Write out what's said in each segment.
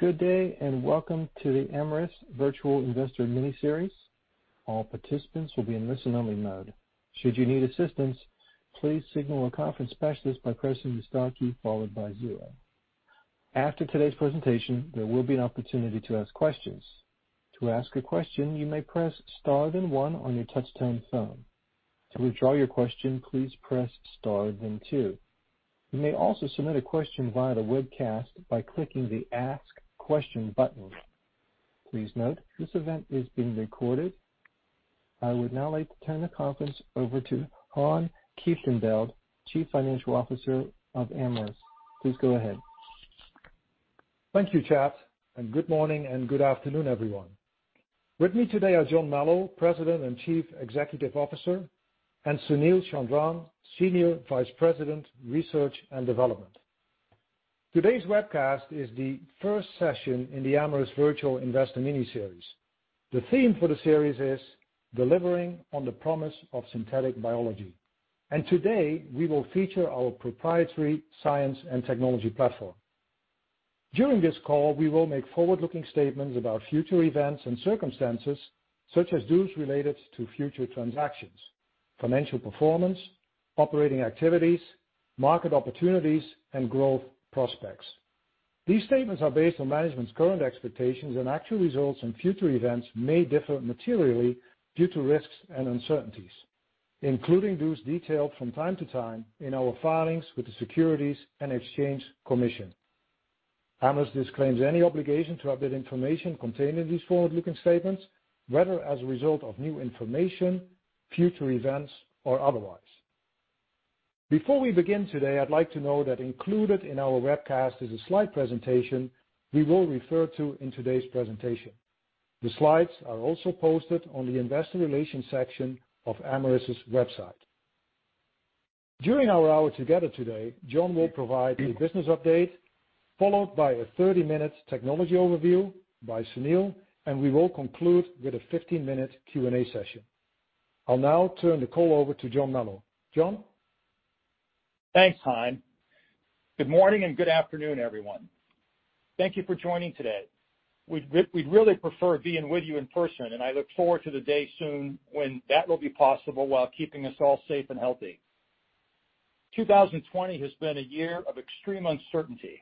Good day and welcome to the Amyris Virtual Investor Mini-Series. All participants will be in listen-only mode. Should you need assistance, please signal a conference specialist by pressing the star key followed by zero. After today's presentation, there will be an opportunity to ask questions. To ask a question, you may press star then one on your touch-tone phone. To withdraw your question, please press star then two. You may also submit a question via the webcast by clicking the ask question button. Please note this event is being recorded. I would now like to turn the conference over to Han Kieftenbeld, Chief Financial Officer of Amyris. Please go ahead. Thank you, Chad, and good morning and good afternoon, everyone. With me today are John Melo, President and Chief Executive Officer, and Sunil Chandran, Senior Vice President, Research and Development. Today's webcast is the first session in the Amyris Virtual Investor Mini-Series. The theme for the series is Delivering on the Promise of Synthetic Biology, and today we will feature our proprietary science and technology platform. During this call, we will make forward-looking statements about future events and circumstances such as those related to future transactions, financial performance, operating activities, market opportunities, and growth prospects. These statements are based on management's current expectations, and actual results and future events may differ materially due to risks and uncertainties, including those detailed from time to time in our filings with the Securities and Exchange Commission. Amyris disclaims any obligation to update information contained in these forward-looking statements, whether as a result of new information, future events, or otherwise. Before we begin today, I'd like to note that included in our webcast is a slide presentation we will refer to in today's presentation. The slides are also posted on the investor relations section of Amyris' website. During our hour together today, John will provide a business update followed by a 30-minute technology overview by Sunil, and we will conclude with a 15-minute Q&A session. I'll now turn the call over to John Melo. John? Thanks, Han. Good morning and good afternoon, everyone. Thank you for joining today. We'd really prefer being with you in person, and I look forward to the day soon when that will be possible while keeping us all safe and healthy. 2020 has been a year of extreme uncertainty.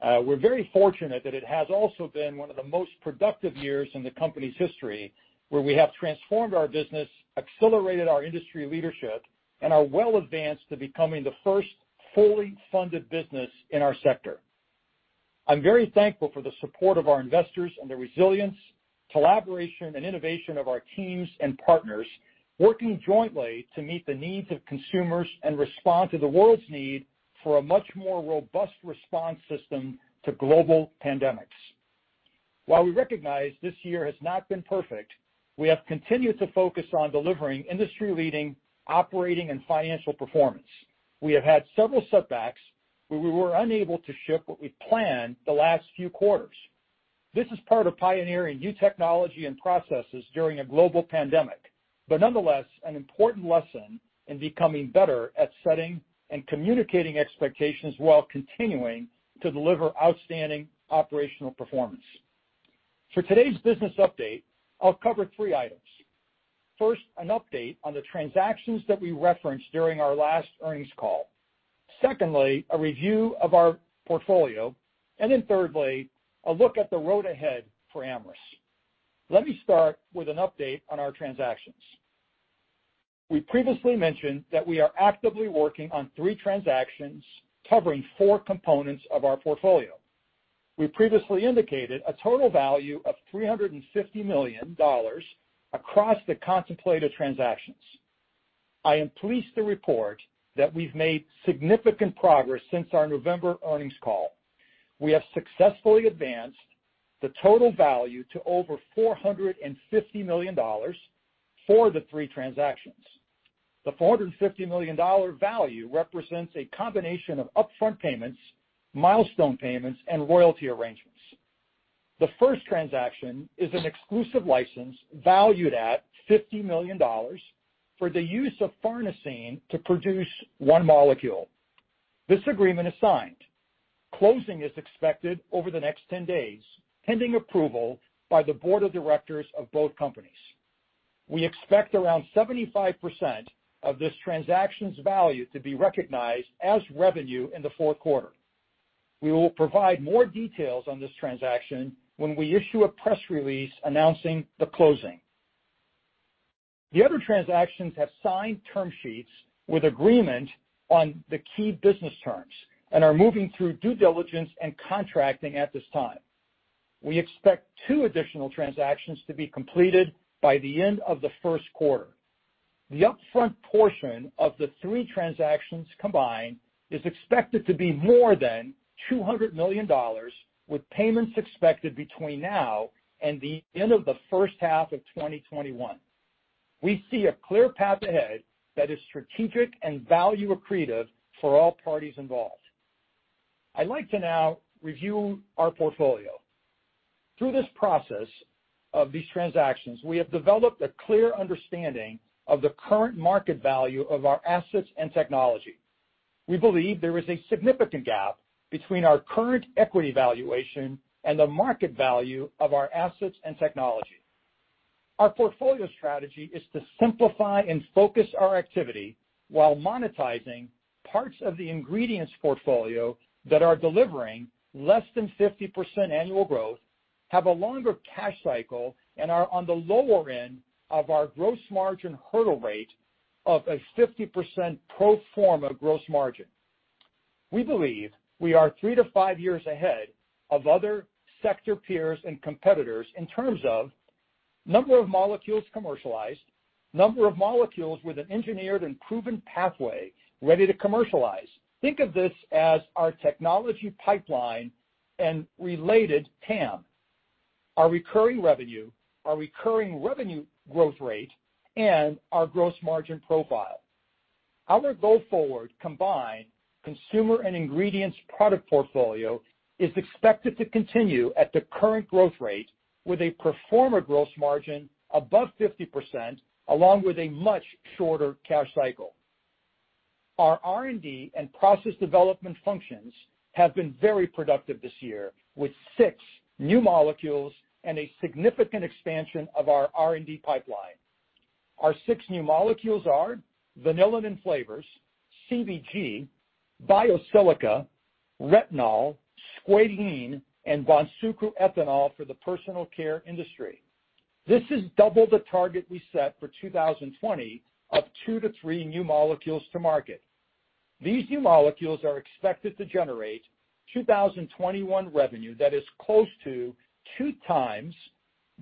We're very fortunate that it has also been one of the most productive years in the company's history, where we have transformed our business, accelerated our industry leadership, and are well advanced to becoming the first fully funded business in our sector. I'm very thankful for the support of our investors and the resilience, collaboration, and innovation of our teams and partners working jointly to meet the needs of consumers and respond to the world's need for a much more robust response system to global pandemics. While we recognize this year has not been perfect, we have continued to focus on delivering industry-leading operating and financial performance. We have had several setbacks where we were unable to ship what we planned the last few quarters. This is part of pioneering new technology and processes during a global pandemic, but nonetheless an important lesson in becoming better at setting and communicating expectations while continuing to deliver outstanding operational performance. For today's business update, I'll cover three items. First, an update on the transactions that we referenced during our last earnings call. Secondly, a review of our portfolio. And then thirdly, a look at the road ahead for Amyris. Let me start with an update on our transactions. We previously mentioned that we are actively working on three transactions covering four components of our portfolio. We previously indicated a total value of $350 million across the contemplated transactions. I am pleased to report that we've made significant progress since our November earnings call. We have successfully advanced the total value to over $450 million for the three transactions. The $450 million value represents a combination of upfront payments, milestone payments, and royalty arrangements. The first transaction is an exclusive license valued at $50 million for the use of farnesene to produce one molecule. This agreement is signed. Closing is expected over the next 10 days, pending approval by the board of directors of both companies. We expect around 75% of this transaction's value to be recognized as revenue in the fourth quarter. We will provide more details on this transaction when we issue a press release announcing the closing. The other transactions have signed term sheets with agreement on the key business terms and are moving through due diligence and contracting at this time. We expect two additional transactions to be completed by the end of the first quarter. The upfront portion of the three transactions combined is expected to be more than $200 million, with payments expected between now and the end of the first half of 2021. We see a clear path ahead that is strategic and value-accretive for all parties involved. I'd like to now review our portfolio. Through this process of these transactions, we have developed a clear understanding of the current market value of our assets and technology. We believe there is a significant gap between our current equity valuation and the market value of our assets and technology. Our portfolio strategy is to simplify and focus our activity while monetizing parts of the ingredients portfolio that are delivering less than 50% annual growth, have a longer cash cycle, and are on the lower end of our gross margin hurdle rate of a 50% pro forma gross margin. We believe we are three to five years ahead of other sector peers and competitors in terms of number of molecules commercialized, number of molecules with an engineered and proven pathway ready to commercialize. Think of this as our technology pipeline and related TAM, our recurring revenue, our recurring revenue growth rate, and our gross margin profile. Our goal forward, combined consumer and ingredients product portfolio, is expected to continue at the current growth rate with a pro forma gross margin above 50%, along with a much shorter cash cycle. Our R&D and process development functions have been very productive this year, with six new molecules and a significant expansion of our R&D pipeline. Our six new molecules are vanillin and flavors, CBG, biosilica, retinol, squalane, and Bonsucro ethanol for the personal care industry. This is double the target we set for 2020 of two to three new molecules to market. These new molecules are expected to generate 2021 revenue that is close to two times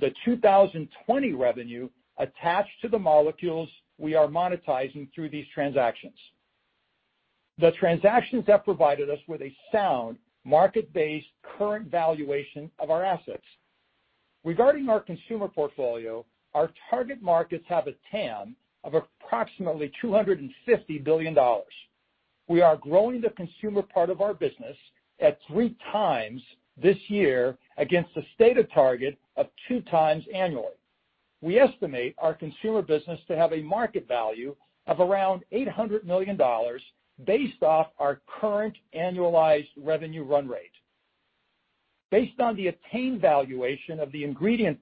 the 2020 revenue attached to the molecules we are monetizing through these transactions. The transactions have provided us with a sound market-based current valuation of our assets. Regarding our consumer portfolio, our target markets have a TAM of approximately $250 billion. We are growing the consumer part of our business at three times this year against a stated target of two times annually. We estimate our consumer business to have a market value of around $800 million based off our current annualized revenue run rate. Based on the attained valuation of the ingredients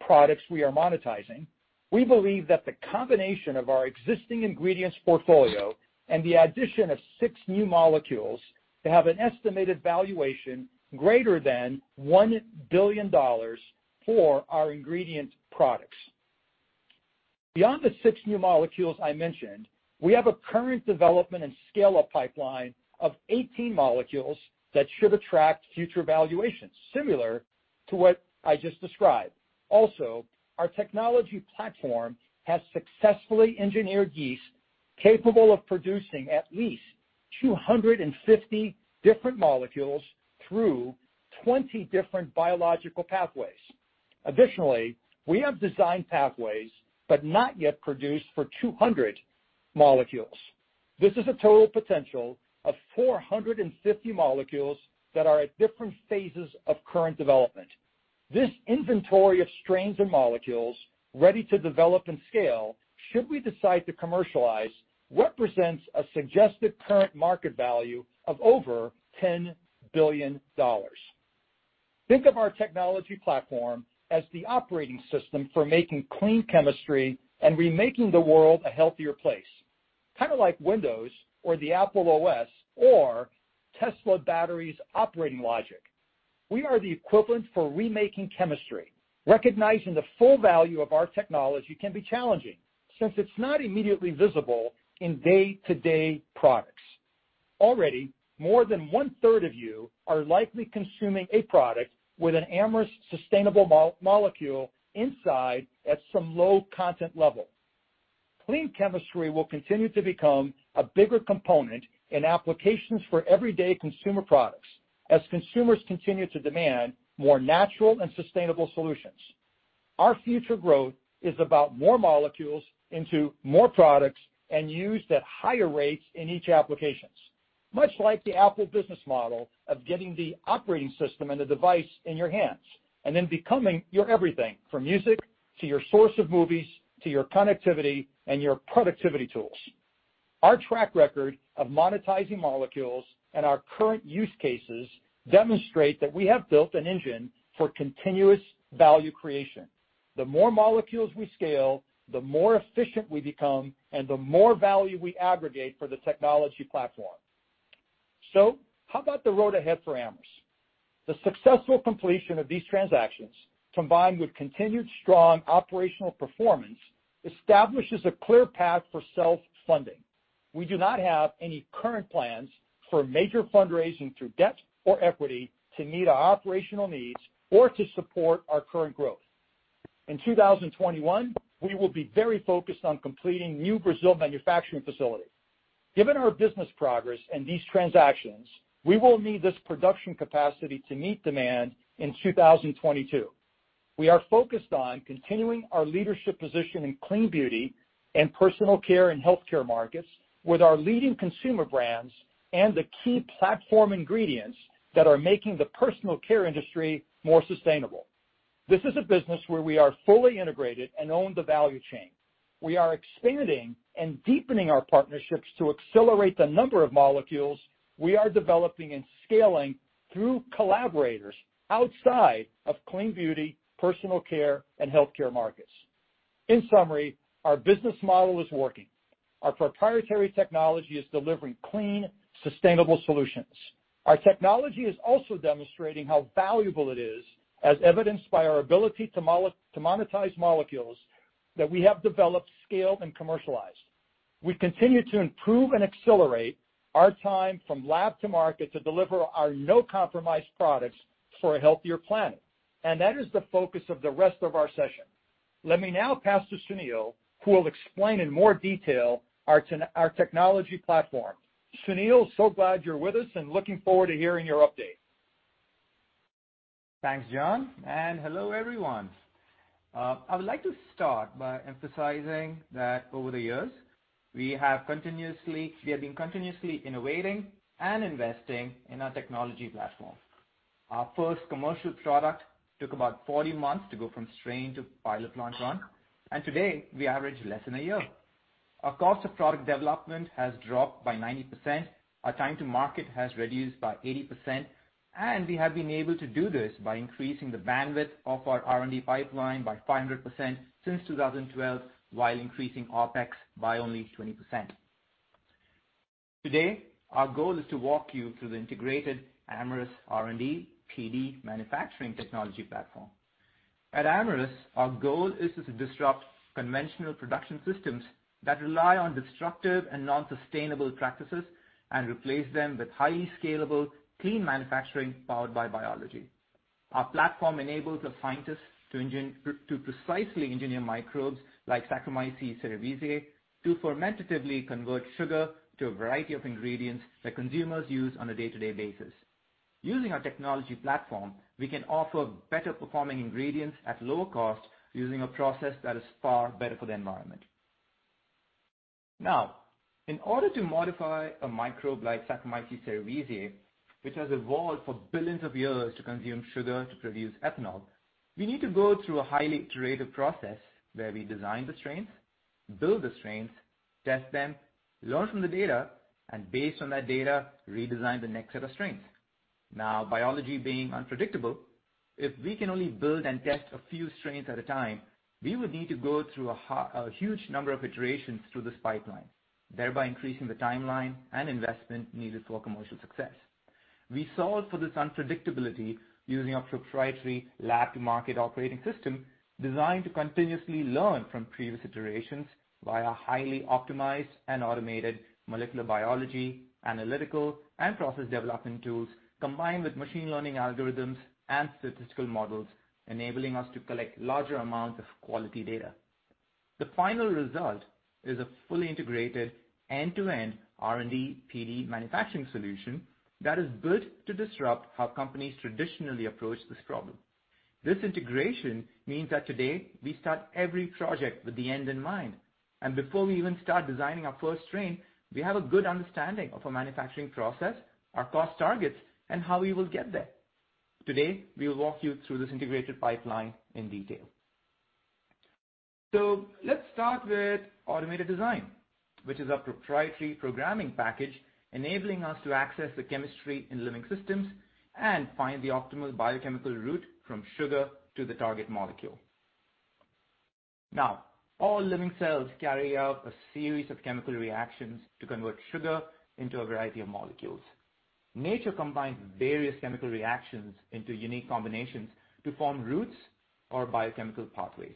products we are monetizing, we believe that the combination of our existing ingredients portfolio and the addition of six new molecules to have an estimated valuation greater than $1 billion for our ingredient products. Beyond the six new molecules I mentioned, we have a current development and scale-up pipeline of 18 molecules that should attract future valuations similar to what I just described. Also, our technology platform has successfully engineered yeast capable of producing at least 250 different molecules through 20 different biological pathways. Additionally, we have designed pathways but not yet produced for 200 molecules. This is a total potential of 450 molecules that are at different phases of current development. This inventory of strains and molecules ready to develop and scale, should we decide to commercialize, represents a suggested current market value of over $10 billion. Think of our technology platform as the operating system for making clean chemistry and remaking the world a healthier place, kind of like Windows or the Apple OS or Tesla batteries' operating logic. We are the equivalent for remaking chemistry. Recognizing the full value of our technology can be challenging since it's not immediately visible in day-to-day products. Already, more than one-third of you are likely consuming a product with an Amyris sustainable molecule inside at some low content level. Clean chemistry will continue to become a bigger component in applications for everyday consumer products as consumers continue to demand more natural and sustainable solutions. Our future growth is about more molecules into more products and used at higher rates in each application, much like the Apple business model of getting the operating system and the device in your hands and then becoming your everything from music to your source of movies to your connectivity and your productivity tools. Our track record of monetizing molecules and our current use cases demonstrate that we have built an engine for continuous value creation. The more molecules we scale, the more efficient we become, and the more value we aggregate for the technology platform. So how about the road ahead for Amyris? The successful completion of these transactions, combined with continued strong operational performance, establishes a clear path for self-funding. We do not have any current plans for major fundraising through debt or equity to meet our operational needs or to support our current growth. In 2021, we will be very focused on completing new Brazil manufacturing facilities. Given our business progress and these transactions, we will need this production capacity to meet demand in 2022. We are focused on continuing our leadership position in clean beauty and personal care and healthcare markets with our leading consumer brands and the key platform ingredients that are making the personal care industry more sustainable. This is a business where we are fully integrated and own the value chain. We are expanding and deepening our partnerships to accelerate the number of molecules we are developing and scaling through collaborators outside of clean beauty, personal care, and healthcare markets. In summary, our business model is working. Our proprietary technology is delivering clean, sustainable solutions. Our technology is also demonstrating how valuable it is, as evidenced by our ability to monetize molecules that we have developed, scaled, and commercialized. We continue to improve and accelerate our time from lab to market to deliver our no-compromise products for a healthier planet, and that is the focus of the rest of our session. Let me now pass to Sunil, who will explain in more detail our technology platform. Sunil, so glad you're with us and looking forward to hearing your update. Thanks, John. And hello, everyone. I would like to start by emphasizing that over the years, we have been continuously innovating and investing in our technology platform. Our first commercial product took about 40 months to go from strain to pilot launch. And today, we average less than a year. Our cost of product development has dropped by 90%. Our time to market has reduced by 80%. And we have been able to do this by increasing the bandwidth of our R&D pipeline by 500% since 2012, while increasing OpEx by only 20%. Today, our goal is to walk you through the integrated Amyris R&D PD manufacturing technology platform. At Amyris, our goal is to disrupt conventional production systems that rely on destructive and non-sustainable practices and replace them with highly scalable, clean manufacturing powered by biology. Our platform enables the scientists to precisely engineer microbes like Saccharomyces cerevisiae to fermentatively convert sugar to a variety of ingredients that consumers use on a day-to-day basis. Using our technology platform, we can offer better-performing ingredients at lower cost using a process that is far better for the environment. Now, in order to modify a microbe like Saccharomyces cerevisiae, which has evolved for billions of years to consume sugar to produce ethanol, we need to go through a highly iterative process where we design the strains, build the strains, test them, learn from the data, and based on that data, redesign the next set of strains. Now, biology being unpredictable, if we can only build and test a few strains at a time, we would need to go through a huge number of iterations through this pipeline, thereby increasing the timeline and investment needed for commercial success. We solve for this unpredictability using our proprietary lab-to-market operating system designed to continuously learn from previous iterations via highly optimized and automated molecular biology, analytical, and process development tools combined with machine learning algorithms and statistical models, enabling us to collect larger amounts of quality data. The final result is a fully integrated end-to-end R&D PD manufacturing solution that is built to disrupt how companies traditionally approach this problem. This integration means that today, we start every project with the end in mind, and before we even start designing our first strain, we have a good understanding of our manufacturing process, our cost targets, and how we will get there. Today, we will walk you through this integrated pipeline in detail. Let's start with automated design, which is a proprietary programming package enabling us to access the chemistry in living systems and find the optimal biochemical route from sugar to the target molecule. Now, all living cells carry out a series of chemical reactions to convert sugar into a variety of molecules. Nature combines various chemical reactions into unique combinations to form routes or biochemical pathways.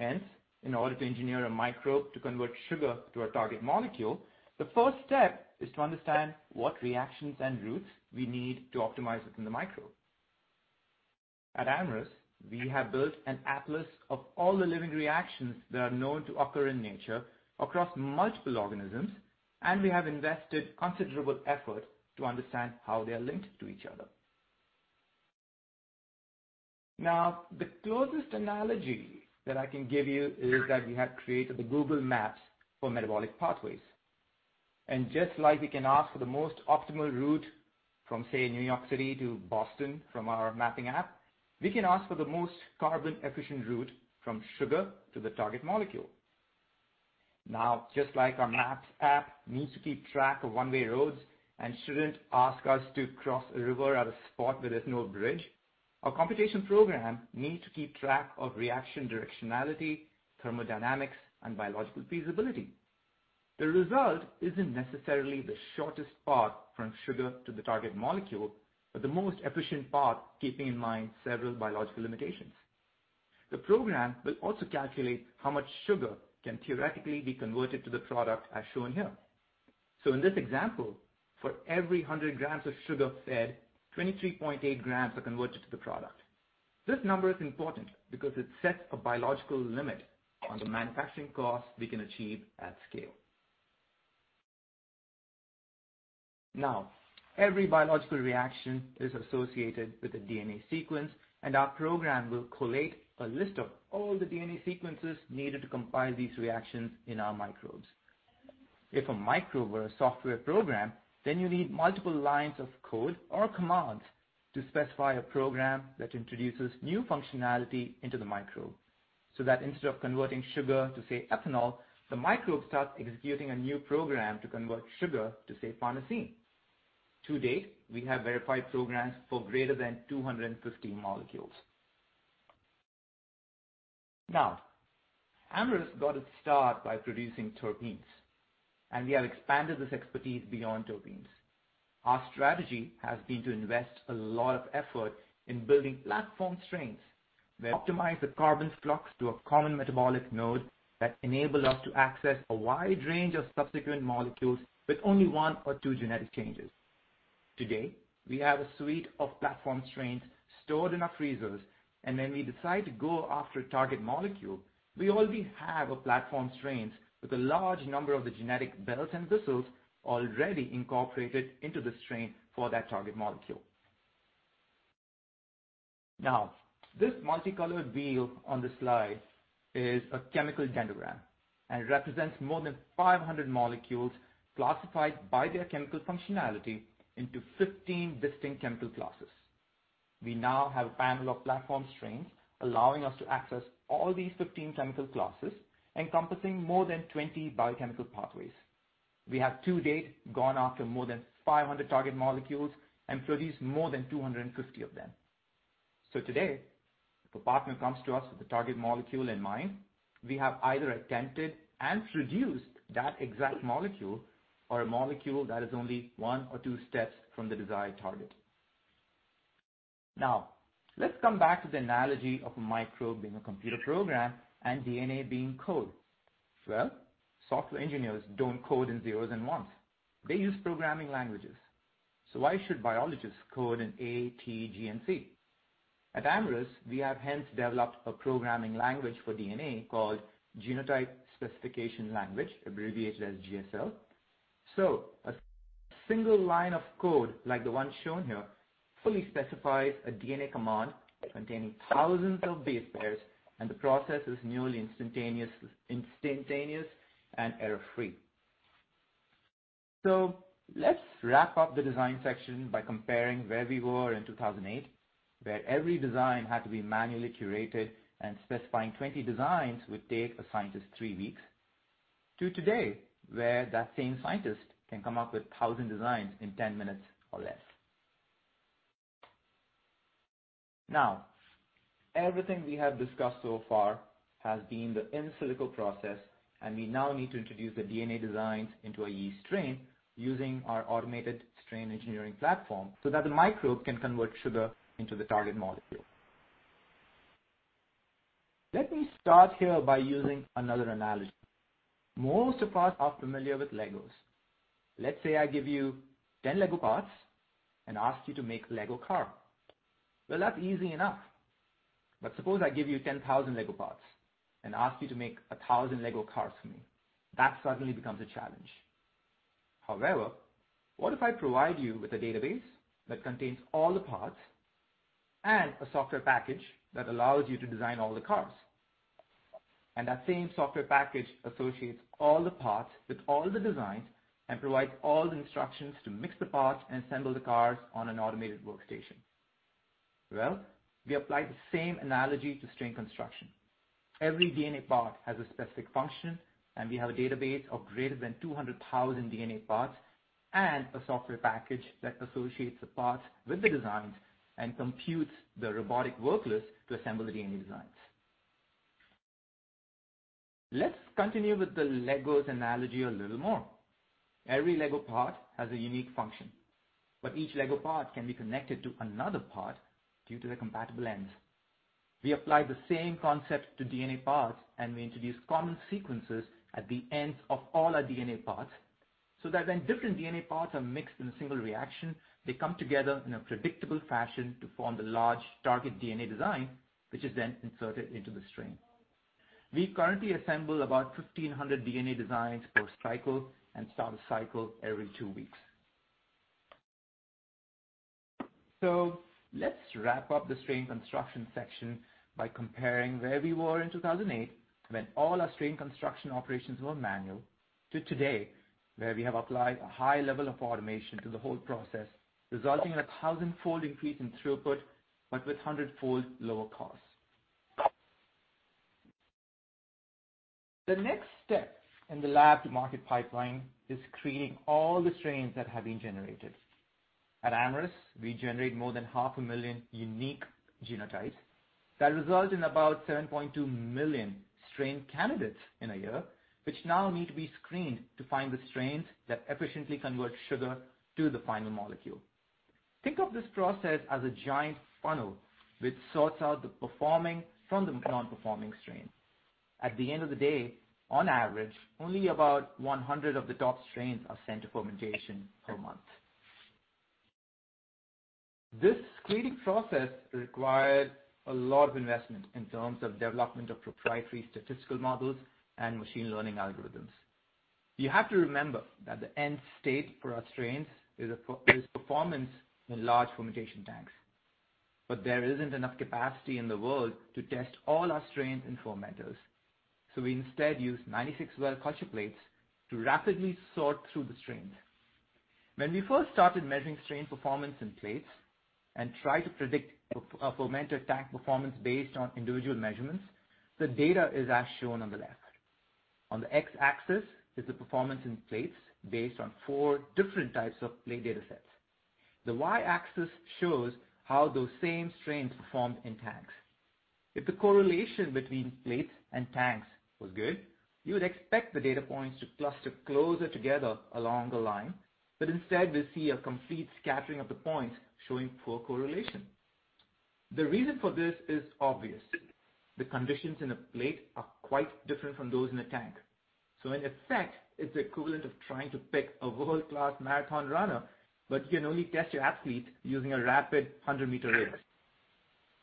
Hence, in order to engineer a microbe to convert sugar to a target molecule, the first step is to understand what reactions and routes we need to optimize within the microbe. At Amyris, we have built an atlas of all the living reactions that are known to occur in nature across multiple organisms, and we have invested considerable effort to understand how they are linked to each other. Now, the closest analogy that I can give you is that we have created the Google Maps for metabolic pathways. Just like we can ask for the most optimal route from, say, New York City to Boston from our mapping app, we can ask for the most carbon-efficient route from sugar to the target molecule. Now, just like our Maps app needs to keep track of one-way roads and shouldn't ask us to cross a river at a spot where there's no bridge, our computation program needs to keep track of reaction directionality, thermodynamics, and biological feasibility. The result isn't necessarily the shortest path from sugar to the target molecule, but the most efficient path, keeping in mind several biological limitations. The program will also calculate how much sugar can theoretically be converted to the product as shown here. In this example, for every 100 grams of sugar fed, 23.8 grams are converted to the product. This number is important because it sets a biological limit on the manufacturing cost we can achieve at scale. Every biological reaction is associated with a DNA sequence, and our program will collate a list of all the DNA sequences needed to compile these reactions in our microbes. If a microbe were a software program, then you need multiple lines of code or commands to specify a program that introduces new functionality into the microbe so that instead of converting sugar to, say, ethanol, the microbe starts executing a new program to convert sugar to, say, farnesene. To date, we have verified programs for greater than 250 molecules. Amyris got its start by producing terpenes, and we have expanded this expertise beyond terpenes. Our strategy has been to invest a lot of effort in building platform strains that optimize the carbon flux to a common metabolic node that enables us to access a wide range of subsequent molecules with only one or two genetic changes. Today, we have a suite of platform strains stored in our freezers, and when we decide to go after a target molecule, we already have a platform strain with a large number of the genetic bells and whistles already incorporated into the strain for that target molecule. Now, this multicolored wheel on the slide is a chemical dendrogram and represents more than 500 molecules classified by their chemical functionality into 15 distinct chemical classes. We now have a panel of platform strains allowing us to access all these 15 chemical classes, encompassing more than 20 biochemical pathways. We have to date gone after more than 500 target molecules and produced more than 250 of them. So today, if a partner comes to us with a target molecule in mind, we have either attempted and produced that exact molecule or a molecule that is only one or two steps from the desired target. Now, let's come back to the analogy of a microbe being a computer program and DNA being code. Well, software engineers don't code in zeros and ones. They use programming languages. So why should biologists code in A, T, G, and C? At Amyris, we have hence developed a programming language for DNA called Genotype Specification Language, abbreviated as GSL. So a single line of code, like the one shown here, fully specifies a DNA command containing thousands of base pairs, and the process is nearly instantaneous and error-free. So let's wrap up the design section by comparing where we were in 2008, where every design had to be manually curated and specifying 20 designs would take a scientist three weeks, to today, where that same scientist can come up with 1,000 designs in 10 minutes or less. Now, everything we have discussed so far has been the in silico process, and we now need to introduce the DNA designs into a yeast strain using our automated strain engineering platform so that the microbe can convert sugar into the target molecule. Let me start here by using another analogy. Most of us are familiar with Legos. Let's say I give you 10 Lego parts and ask you to make a Lego car. Well, that's easy enough. But suppose I give you 10,000 Lego parts and ask you to make 1,000 Lego cars for me. That suddenly becomes a challenge. However, what if I provide you with a database that contains all the parts and a software package that allows you to design all the cars? And that same software package associates all the parts with all the designs and provides all the instructions to mix the parts and assemble the cars on an automated workstation. Well, we apply the same analogy to strain construction. Every DNA part has a specific function, and we have a database of greater than 200,000 DNA parts and a software package that associates the parts with the designs and computes the robotic workers to assemble the DNA designs. Let's continue with the Legos analogy a little more. Every Lego part has a unique function, but each Lego part can be connected to another part due to the compatible ends. We apply the same concept to DNA parts, and we introduce common sequences at the ends of all our DNA parts so that when different DNA parts are mixed in a single reaction, they come together in a predictable fashion to form the large target DNA design, which is then inserted into the strain. We currently assemble about 1,500 DNA designs per cycle and start a cycle every two weeks. So let's wrap up the strain construction section by comparing where we were in 2008, when all our strain construction operations were manual, to today, where we have applied a high level of automation to the whole process, resulting in a thousandfold increase in throughput, but with hundredfold lower costs. The next step in the lab-to-market pipeline is creating all the strains that have been generated. At Amyris, we generate more than 500,000 unique genotypes. That results in about 7.2 million strain candidates in a year, which now need to be screened to find the strains that efficiently convert sugar to the final molecule. Think of this process as a giant funnel which sorts out the performing from the non-performing strain. At the end of the day, on average, only about 100 of the top strains are sent to fermentation per month. This screening process required a lot of investment in terms of development of proprietary statistical models and machine learning algorithms. You have to remember that the end state for our strains is performance in large fermentation tanks. But there isn't enough capacity in the world to test all our strains in fermenters. So we instead use 96-well culture plates to rapidly sort through the strains. When we first started measuring strain performance in plates and tried to predict a fermenter tank performance based on individual measurements, the data is as shown on the left. On the X-axis is the performance in plates based on four different types of plate data sets. The Y-axis shows how those same strains performed in tanks. If the correlation between plates and tanks was good, you would expect the data points to cluster closer together along the line, but instead, we see a complete scattering of the points showing poor correlation. The reason for this is obvious. The conditions in a plate are quite different from those in a tank. So in effect, it's the equivalent of trying to pick a world-class marathon runner, but you can only test your athlete using a rapid 100-meter race.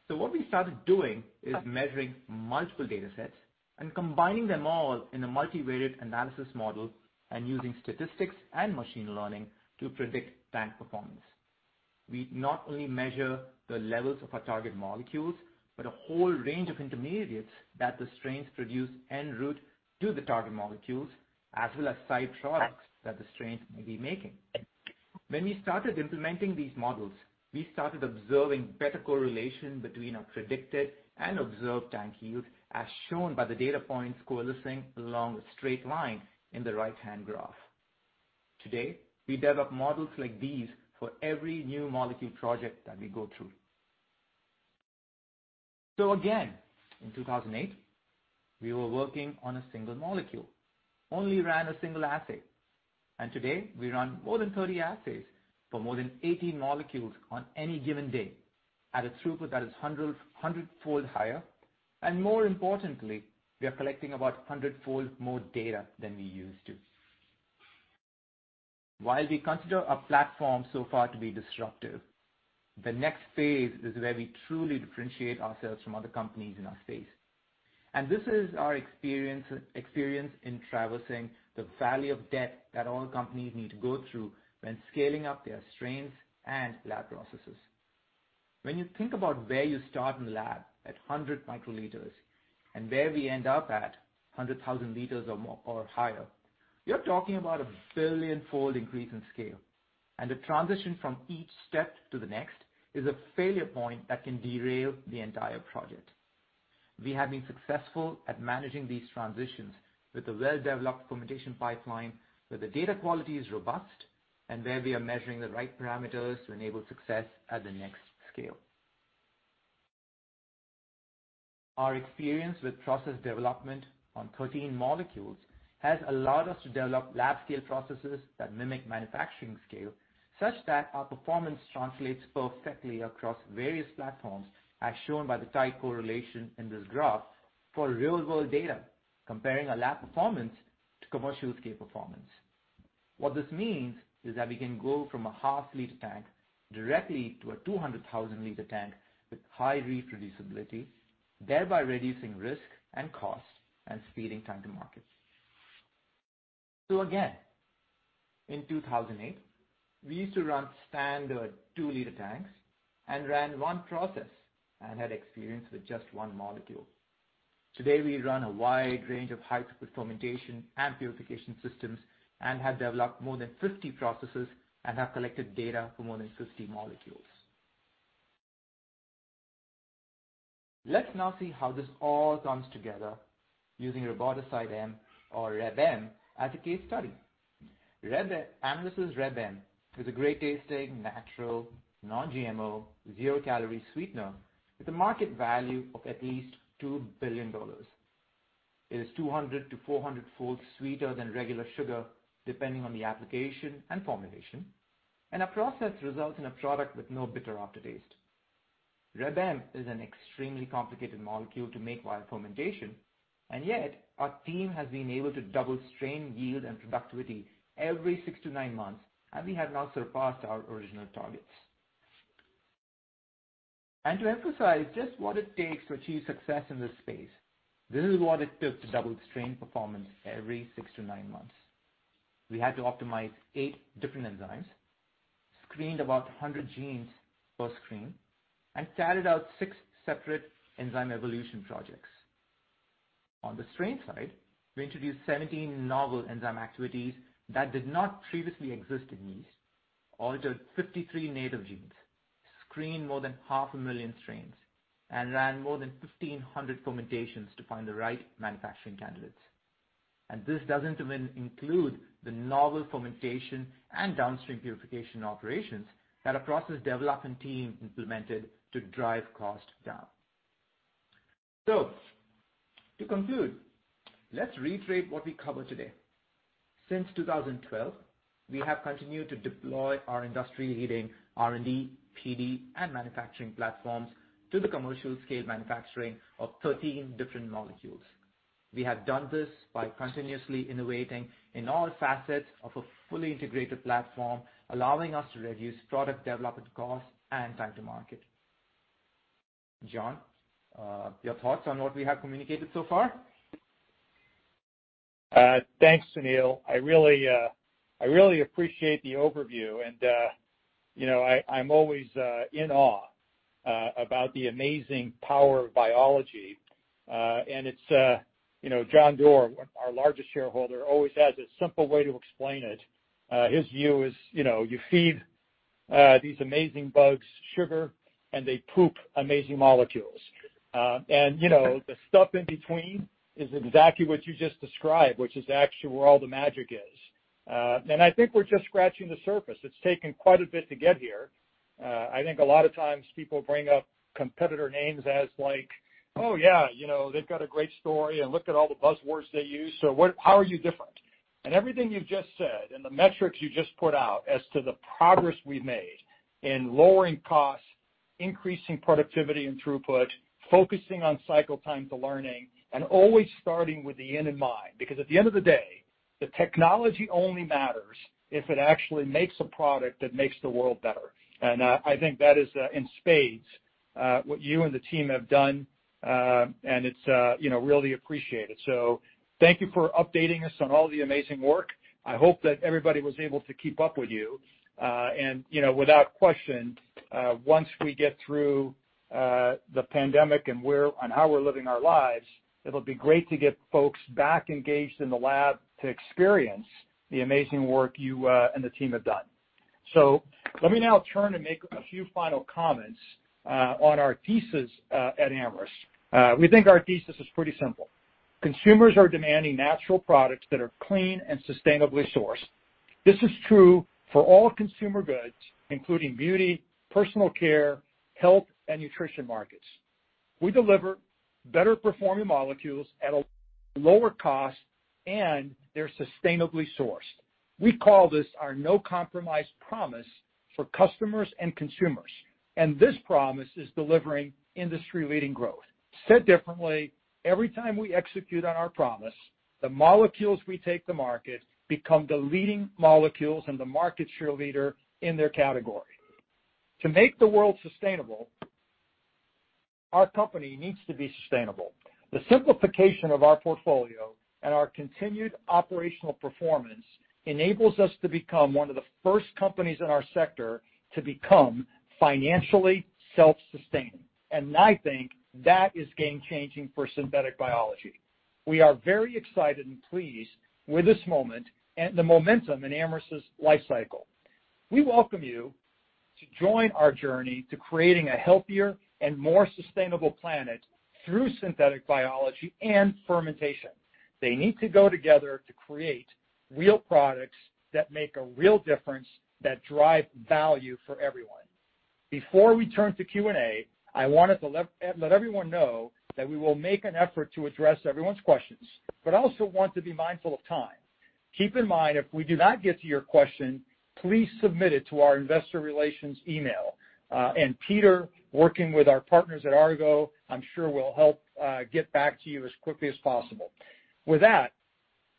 So what we started doing is measuring multiple data sets and combining them all in a multi-weighted analysis model and using statistics and machine learning to predict tank performance. We not only measure the levels of our target molecules, but a whole range of intermediates that the strains produce en route to the target molecules, as well as side products that the strains may be making. When we started implementing these models, we started observing better correlation between our predicted and observed tank yield, as shown by the data points coalescing along a straight line in the right-hand graph. Today, we develop models like these for every new molecule project that we go through. So again, in 2008, we were working on a single molecule, only ran a single assay. Today, we run more than 30 assays for more than 18 molecules on any given day at a throughput that is hundredfold higher. More importantly, we are collecting about hundredfold more data than we used to. While we consider our platform so far to be disruptive, the next phase is where we truly differentiate ourselves from other companies in our space. This is our experience in traversing the valley of death that all companies need to go through when scaling up their strains and lab processes. When you think about where you start in the lab at 100 microliters and where we end up at 100,000 liters or higher, you're talking about a billionfold increase in scale. The transition from each step to the next is a failure point that can derail the entire project. We have been successful at managing these transitions with a well-developed fermentation pipeline where the data quality is robust and where we are measuring the right parameters to enable success at the next scale. Our experience with process development on 13 molecules has allowed us to develop lab-scale processes that mimic manufacturing scale such that our performance translates perfectly across various platforms, as shown by the tight correlation in this graph for real-world data, comparing our lab performance to commercial-scale performance. What this means is that we can go from a half-liter tank directly to a 200,000-liter tank with high reproducibility, thereby reducing risk and cost and speeding time to market. So again, in 2008, we used to run standard 2-liter tanks and ran one process and had experience with just one molecule. Today, we run a wide range of high-throughput fermentation and purification systems and have developed more than 50 processes and have collected data for more than 50 molecules. Let's now see how this all comes together using Reb M, as a case study. Reb M. Reb M is a great-tasting, natural, non-GMO, zero-calorie sweetener with a market value of at least $2 billion. It is 200 to 400-fold sweeter than regular sugar, depending on the application and formulation, and our process results in a product with no bitter aftertaste. Reb M is an extremely complicated molecule to make while fermentation, and yet our team has been able to double strain yield and productivity every six to nine months, and we have now surpassed our original targets. To emphasize just what it takes to achieve success in this space, this is what it took to double strain performance every six-to-nine months. We had to optimize eight different enzymes, screened about 100 genes per screen, and carried out six separate enzyme evolution projects. On the strain side, we introduced 17 novel enzyme activities that did not previously exist in yeast, altered 53 native genes, screened more than 500,000 strains, and ran more than 1,500 fermentations to find the right manufacturing candidates. This doesn't even include the novel fermentation and downstream purification operations that our process development team implemented to drive cost down. To conclude, let's reiterate what we covered today. Since 2012, we have continued to deploy our industry-leading R&D, PD, and manufacturing platforms to the commercial-scale manufacturing of 13 different molecules. We have done this by continuously innovating in all facets of a fully integrated platform, allowing us to reduce product development costs and time to market. John, your thoughts on what we have communicated so far? Thanks, Sunil. I really appreciate the overview, and I'm always in awe about the amazing power of biology. John Doerr, our largest shareholder, always has a simple way to explain it. His view is you feed these amazing bugs sugar, and they poop amazing molecules. The stuff in between is exactly what you just described, which is actually where all the magic is. I think we're just scratching the surface. It's taken quite a bit to get here. I think a lot of times people bring up competitor names as like, "Oh, yeah, they've got a great story, and look at all the buzzwords they use. So how are you different?" And everything you've just said and the metrics you just put out as to the progress we've made in lowering costs, increasing productivity and throughput, focusing on cycle time to learning, and always starting with the end in mind. Because at the end of the day, the technology only matters if it actually makes a product that makes the world better. And I think that is in spades what you and the team have done, and it's really appreciated. So thank you for updating us on all the amazing work. I hope that everybody was able to keep up with you. And without question, once we get through the pandemic and how we're living our lives, it'll be great to get folks back engaged in the lab to experience the amazing work you and the team have done. So let me now turn and make a few final comments on our thesis at Amyris. We think our thesis is pretty simple. Consumers are demanding natural products that are clean and sustainably sourced. This is true for all consumer goods, including beauty, personal care, health, and nutrition markets. We deliver better-performing molecules at a lower cost, and they're sustainably sourced. We call this our no-compromise promise for customers and consumers. And this promise is delivering industry-leading growth. Said differently, every time we execute on our promise, the molecules we take to market become the leading molecules and the market share leader in their category. To make the world sustainable, our company needs to be sustainable. The simplification of our portfolio and our continued operational performance enables us to become one of the first companies in our sector to become financially self-sustaining. And I think that is game-changing for synthetic biology. We are very excited and pleased with this moment and the momentum in Amyris's lifecycle. We welcome you to join our journey to creating a healthier and more sustainable planet through synthetic biology and fermentation. They need to go together to create real products that make a real difference that drive value for everyone. Before we turn to Q&A, I wanted to let everyone know that we will make an effort to address everyone's questions, but I also want to be mindful of time. Keep in mind, if we do not get to your question, please submit it to our investor relations email. And Peter, working with our partners at Argot, I'm sure will help get back to you as quickly as possible. With that,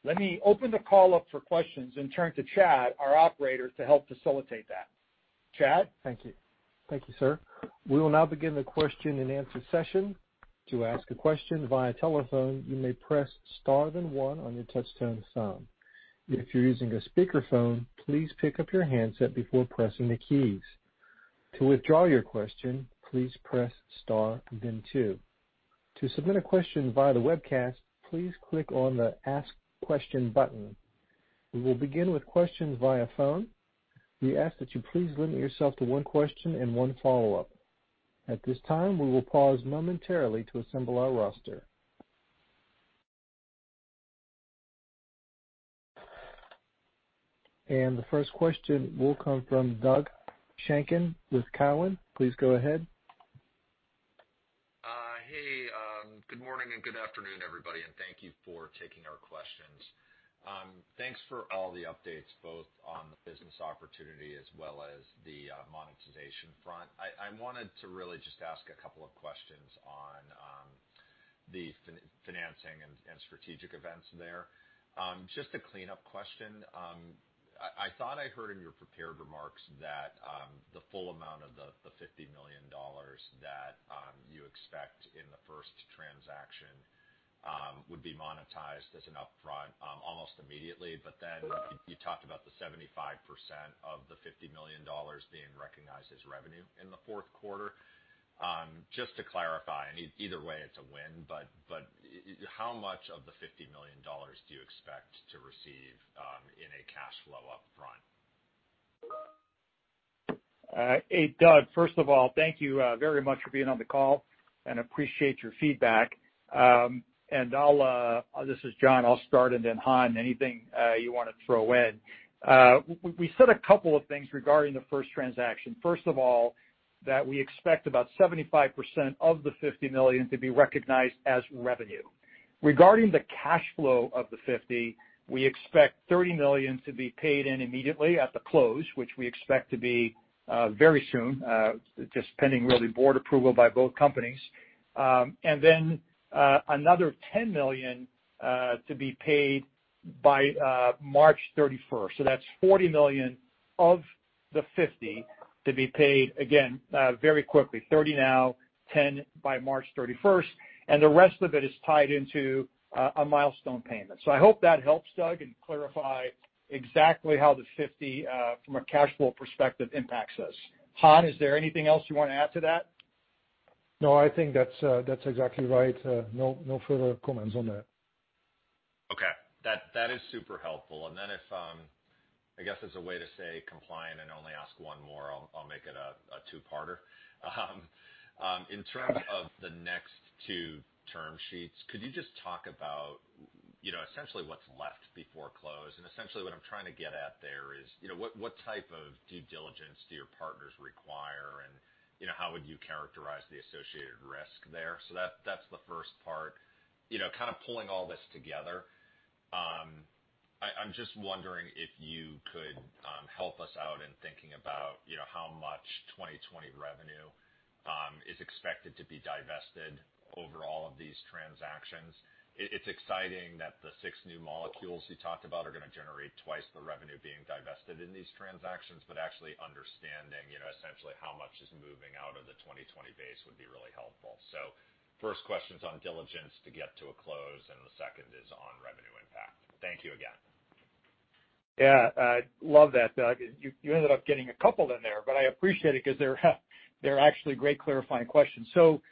let me open the call up for questions and turn to Chad, our operator, to help facilitate that. Chad? Thank you. Thank you, sir. We will now begin the question-and-answer session. To ask a question via telephone, you may press star then one on your touch-tone phone. If you're using a speakerphone, please pick up your handset before pressing the keys. To withdraw your question, please press star then two. To submit a question via the webcast, please click on the Ask Question button. We will begin with questions via phone. We ask that you please limit yourself to one question and one follow-up. At this time, we will pause momentarily to assemble our roster. And the first question will come from Doug Schenkel with Cowen. Please go ahead. Hey, good morning and good afternoon, everybody. And thank you for taking our questions. Thanks for all the updates, both on the business opportunity as well as the monetization front. I wanted to really just ask a couple of questions on the financing and strategic events there. Just a cleanup question. I thought I heard in your prepared remarks that the full amount of the $50 million that you expect in the first transaction would be monetized as an upfront almost immediately, but then you talked about the 75% of the $50 million being recognized as revenue in the fourth quarter. Just to clarify, and either way, it's a win, but how much of the $50 million do you expect to receive in a cash flow upfront? Hey, Doug, first of all, thank you very much for being on the call and appreciate your feedback, and this is John. I'll start and then Han, anything you want to throw in. We said a couple of things regarding the first transaction. First of all, that we expect about 75% of the $50 million to be recognized as revenue. Regarding the cash flow of the $50, we expect $30 million to be paid in immediately at the close, which we expect to be very soon, just pending really board approval by both companies. And then another $10 million to be paid by March 31st. So that's $40 million of the $50 to be paid, again, very quickly. $30 now, $10 by March 31st, and the rest of it is tied into a milestone payment. So I hope that helps, Doug, and clarify exactly how the $50, from a cash flow perspective, impacts us. Han, is there anything else you want to add to that? No, I think that's exactly right. No further comments on that. Okay. That is super helpful. And then, if I guess, as a way to stay compliant and only ask one more, I'll make it a two-parter. In terms of the next two term sheets, could you just talk about essentially what's left before close? And essentially, what I'm trying to get at there is what type of due diligence do your partners require, and how would you characterize the associated risk there? So that's the first part. Kind of pulling all this together, I'm just wondering if you could help us out in thinking about how much 2020 revenue is expected to be divested over all of these transactions. It's exciting that the six new molecules you talked about are going to generate twice the revenue being divested in these transactions, but actually understanding essentially how much is moving out of the 2020 base would be really helpful. So first question's on diligence to get to a close, and the second is on revenue impact. Thank you again. Yeah. I love that, Doug. You ended up getting a couple in there, but I appreciate it because they're actually great clarifying questions. So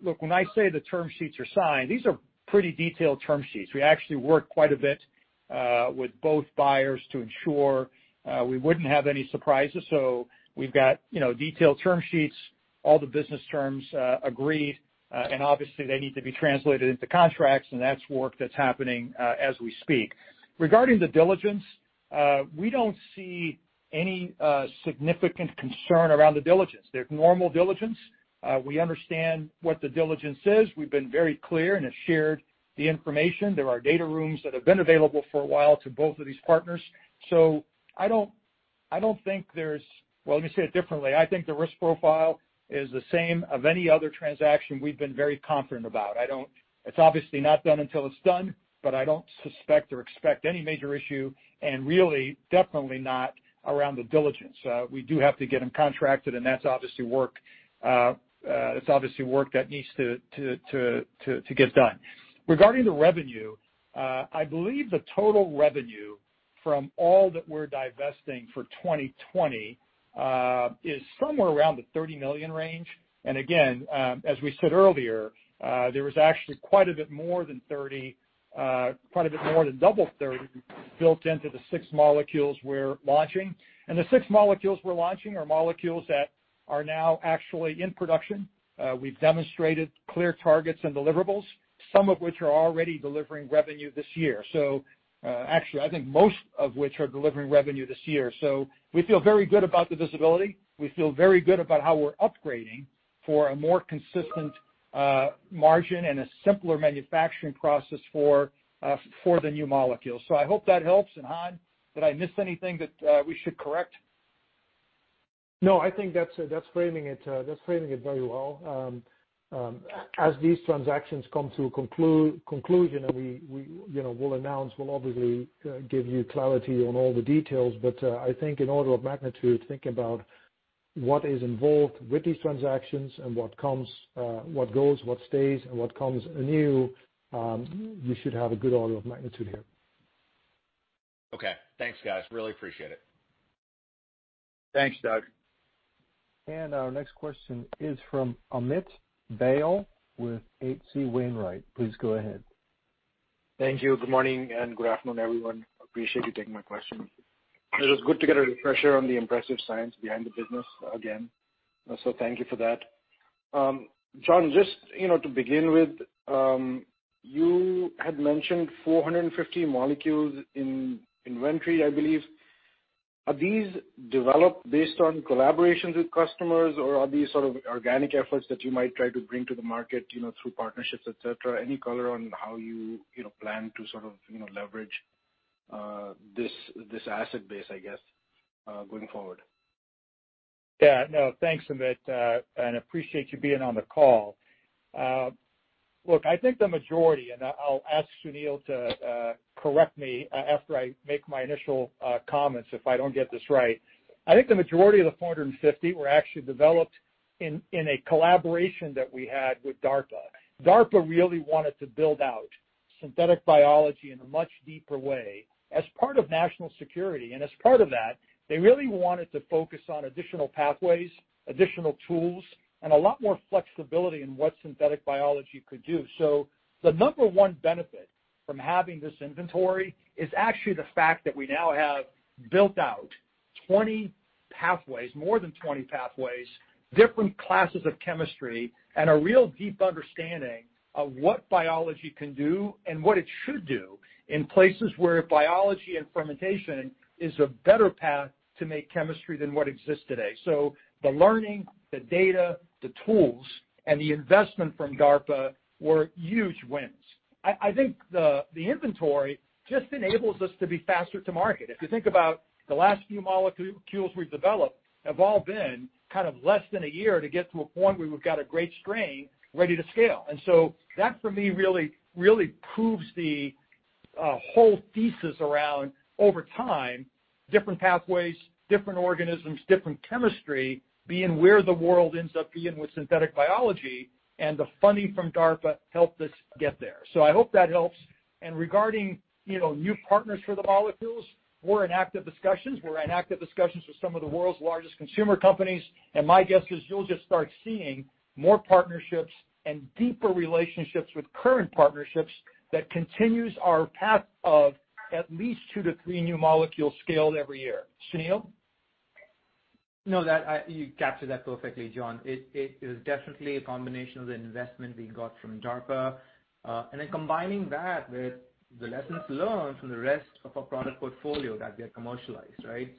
look, when I say the term sheets are signed, these are pretty detailed term sheets. We actually worked quite a bit with both buyers to ensure we wouldn't have any surprises. So we've got detailed term sheets, all the business terms agreed, and obviously, they need to be translated into contracts, and that's work that's happening as we speak. Regarding the diligence, we don't see any significant concern around the diligence. There's normal diligence. We understand what the diligence is. We've been very clear and have shared the information. There are data rooms that have been available for a while to both of these partners. I think the risk profile is the same as any other transaction we've been very confident about. It's obviously not done until it's done, but I don't suspect or expect any major issue, and really, definitely not around the diligence. We do have to get them contracted, and that's obviously work that needs to get done. Regarding the revenue, I believe the total revenue from all that we're divesting for 2020 is somewhere around the $30 million range. And again, as we said earlier, there was actually quite a bit more than $30, quite a bit more than double $30 built into the six molecules we're launching. And the six molecules we're launching are molecules that are now actually in production. We've demonstrated clear targets and deliverables, some of which are already delivering revenue this year. So actually, I think most of which are delivering revenue this year. So we feel very good about the visibility. We feel very good about how we're upgrading for a more consistent margin and a simpler manufacturing process for the new molecules. So I hope that helps. And Han, did I miss anything that we should correct? No, I think that's framing it very well. As these transactions come to conclusion, we'll announce. We'll obviously give you clarity on all the details, but I think in order of magnitude, thinking about what is involved with these transactions and what goes, what stays, and what comes anew, you should have a good order of magnitude here. Okay. Thanks, guys. Really appreciate it. Thanks, Doug. And our next question is from Amit Dayal with H.C. Wainwright. Please go ahead. Thank you. Good morning and good afternoon, everyone. Appreciate you taking my question. It was good to get a refresher on the impressive science behind the business again. So thank you for that. John, just to begin with, you had mentioned 450 molecules in inventory, I believe. Are these developed based on collaborations with customers, or are these sort of organic efforts that you might try to bring to the market through partnerships, etc.? Any color on how you plan to sort of leverage this asset base, I guess, going forward? Yeah. No, thanks, Amit, and appreciate you being on the call. Look, I think the majority, and I'll ask Sunil to correct me after I make my initial comments if I don't get this right, I think the majority of the 450 were actually developed in a collaboration that we had with DARPA. DARPA really wanted to build out synthetic biology in a much deeper way as part of national security. and as part of that, they really wanted to focus on additional pathways, additional tools, and a lot more flexibility in what synthetic biology could do, so the number one benefit from having this inventory is actually the fact that we now have built out 20 pathways, more than 20 pathways, different classes of chemistry, and a real deep understanding of what biology can do and what it should do in places where biology and fermentation is a better path to make chemistry than what exists today, so the learning, the data, the tools, and the investment from DARPA were huge wins. I think the inventory just enables us to be faster to market. If you think about the last few molecules we've developed, have all been kind of less than a year to get to a point where we've got a great strain ready to scale. And so that, for me, really proves the whole thesis around, over time, different pathways, different organisms, different chemistry being where the world ends up being with synthetic biology, and the funding from DARPA helped us get there. So I hope that helps. And regarding new partners for the molecules, we're in active discussions. We're in active discussions with some of the world's largest consumer companies. And my guess is you'll just start seeing more partnerships and deeper relationships with current partnerships that continue our path of at least two to three new molecules scaled every year. Sunil? No, you captured that perfectly, John. It is definitely a combination of the investment we got from DARPA and then combining that with the lessons learned from the rest of our product portfolio that we have commercialized, right?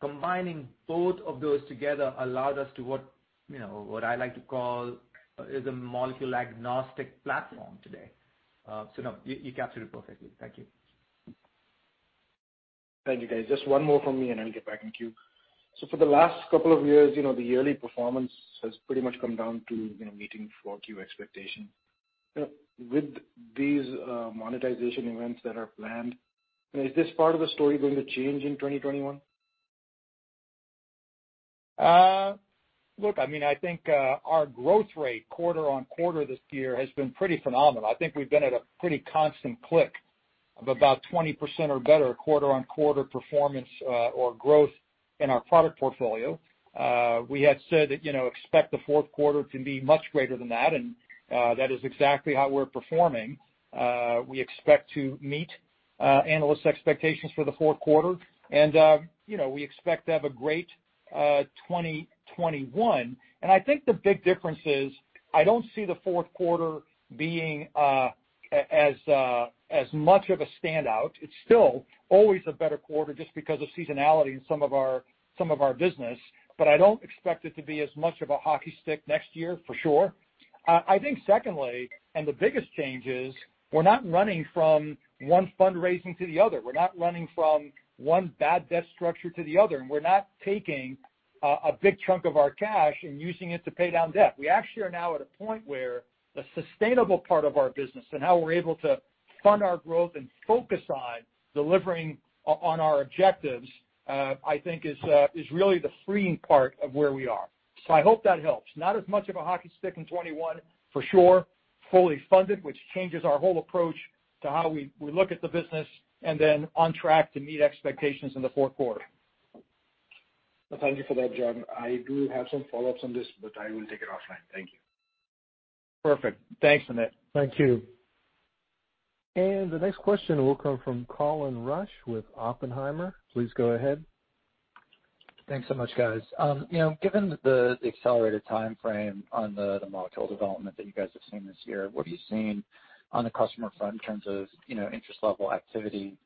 Combining both of those together allowed us to what I like to call a molecule-agnostic platform today. So no, you captured it perfectly. Thank you. Thank you, guys. Just one more from me, and I'll get back in queue. So for the last couple of years, the yearly performance has pretty much come down to meeting Q4 expectations. With these monetization events that are planned, is this part of the story going to change in 2021? Look, I mean, I think our growth rate quarter on quarter this year has been pretty phenomenal. I think we've been at a pretty constant clip of about 20% or better quarter on quarter performance or growth in our product portfolio. We had said that expect the fourth quarter to be much greater than that, and that is exactly how we're performing. We expect to meet analysts' expectations for the fourth quarter, and we expect to have a great 2021, and I think the big difference is I don't see the fourth quarter being as much of a standout. It's still always a better quarter just because of seasonality in some of our business, but I don't expect it to be as much of a hockey stick next year, for sure. I think secondly, and the biggest change is we're not running from one fundraising to the other. We're not running from one bad debt structure to the other, and we're not taking a big chunk of our cash and using it to pay down debt. We actually are now at a point where the sustainable part of our business and how we're able to fund our growth and focus on delivering on our objectives, I think, is really the freeing part of where we are. So I hope that helps. Not as much of a hockey stick in 2021, for sure, fully funded, which changes our whole approach to how we look at the business and then on track to meet expectations in the fourth quarter. Thank you for that, John. I do have some follow-ups on this, but I will take it offline. Thank you. Perfect. Thanks, Amit. Thank you. And the next question will come from Colin Rusch with Oppenheimer. Please go ahead. Thanks so much, guys, Given the accelerated timeframe on the molecule development that you guys have seen this year, what have you seen on the customer front in terms of interest level activity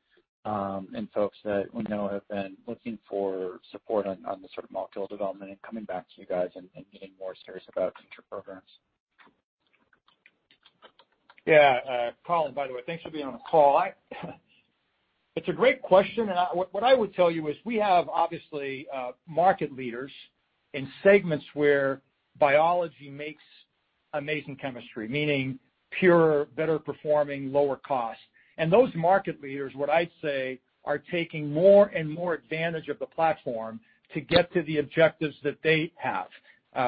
and folks that we know have been looking for support on the sort of molecule development and coming back to you guys and getting more serious about future programs? Yeah. Colin, by the way, thanks for being on the call. It's a great question. And what I would tell you is we have obviously market leaders in segments where biology makes amazing chemistry, meaning pure, better performing, lower cost. And those market leaders, what I'd say, are taking more and more advantage of the platform to get to the objectives that they have,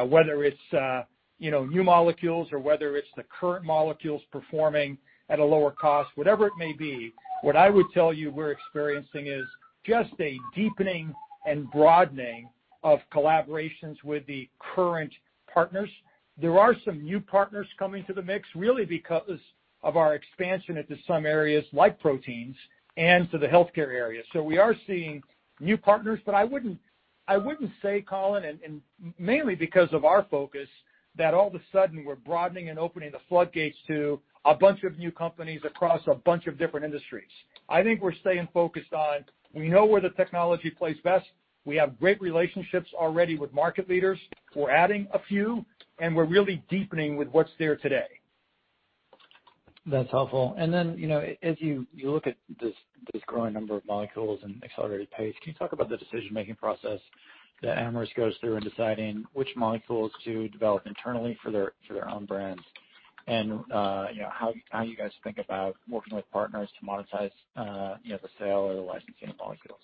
whether it's new molecules or whether it's the current molecules performing at a lower cost, whatever it may be. What I would tell you we're experiencing is just a deepening and broadening of collaborations with the current partners. There are some new partners coming to the mix really because of our expansion into some areas like proteins and to the healthcare area. So we are seeing new partners, but I wouldn't say, Colin, and mainly because of our focus, that all of a sudden we're broadening and opening the floodgates to a bunch of new companies across a bunch of different industries. I think we're staying focused on we know where the technology plays best. We have great relationships already with market leaders. We're adding a few, and we're really deepening with what's there today. That's helpful, and then, as you look at this growing number of molecules and accelerated pace, can you talk about the decision-making process that Amyris goes through in deciding which molecules to develop internally for their own brands and how you guys think about working with partners to monetize the sale or the licensing of molecules?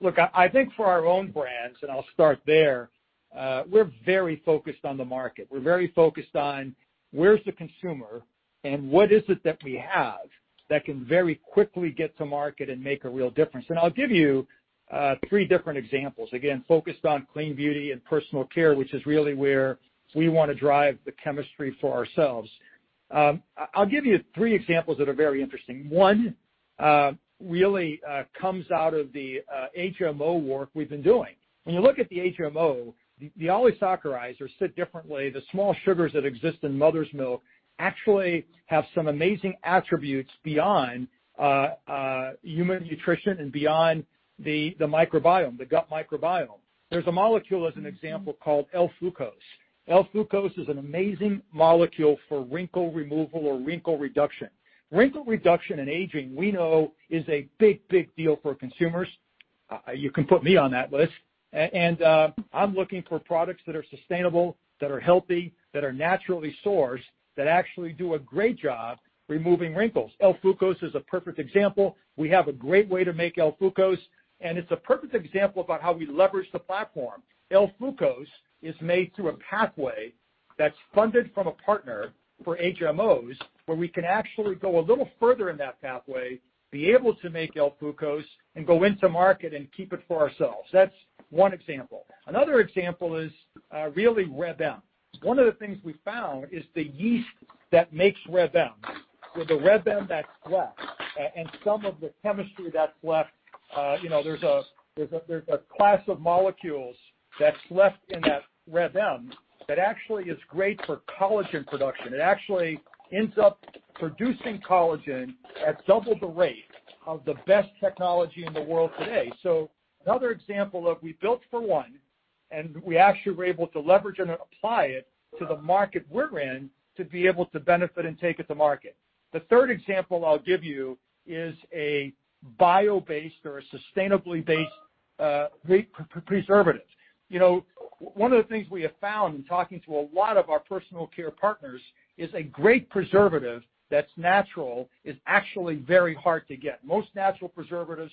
Look, I think for our own brands, and I'll start there, we're very focused on the market. We're very focused on where's the consumer and what is it that we have that can very quickly get to market and make a real difference. And I'll give you three different examples, again, focused on clean beauty and personal care, which is really where we want to drive the chemistry for ourselves. I'll give you three examples that are very interesting. One really comes out of the HMO work we've been doing. When you look at the HMO, the oligosaccharides are set differently. The small sugars that exist in mother's milk actually have some amazing attributes beyond human nutrition and beyond the gut microbiome. There's a molecule as an example called L-Fucose. L-Fucose is an amazing molecule for wrinkle removal or wrinkle reduction. Wrinkle reduction and aging, we know, is a big, big deal for consumers. You can put me on that list, and I'm looking for products that are sustainable, that are healthy, that are naturally sourced, that actually do a great job removing wrinkles. L-Fucose is a perfect example. We have a great way to make L-Fucose, and it's a perfect example about how we leverage the platform. L-Fucose is made through a pathway that's funded from a partner for HMOs where we can actually go a little further in that pathway, be able to make L-Fucose, and go into market and keep it for ourselves. That's one example. Another example is really Reb M. One of the things we found is the yeast that makes Reb M, the Reb M that's left, and some of the chemistry that's left. There's a class of molecules that's left in that Reb M that actually is great for collagen production. It actually ends up producing collagen at double the rate of the best technology in the world today. So another example of we built for one, and we actually were able to leverage and apply it to the market we're in to be able to benefit and take it to market. The third example I'll give you is a bio-based or a sustainably-based preservative. One of the things we have found in talking to a lot of our personal care partners is a great preservative that's natural is actually very hard to get. Most natural preservatives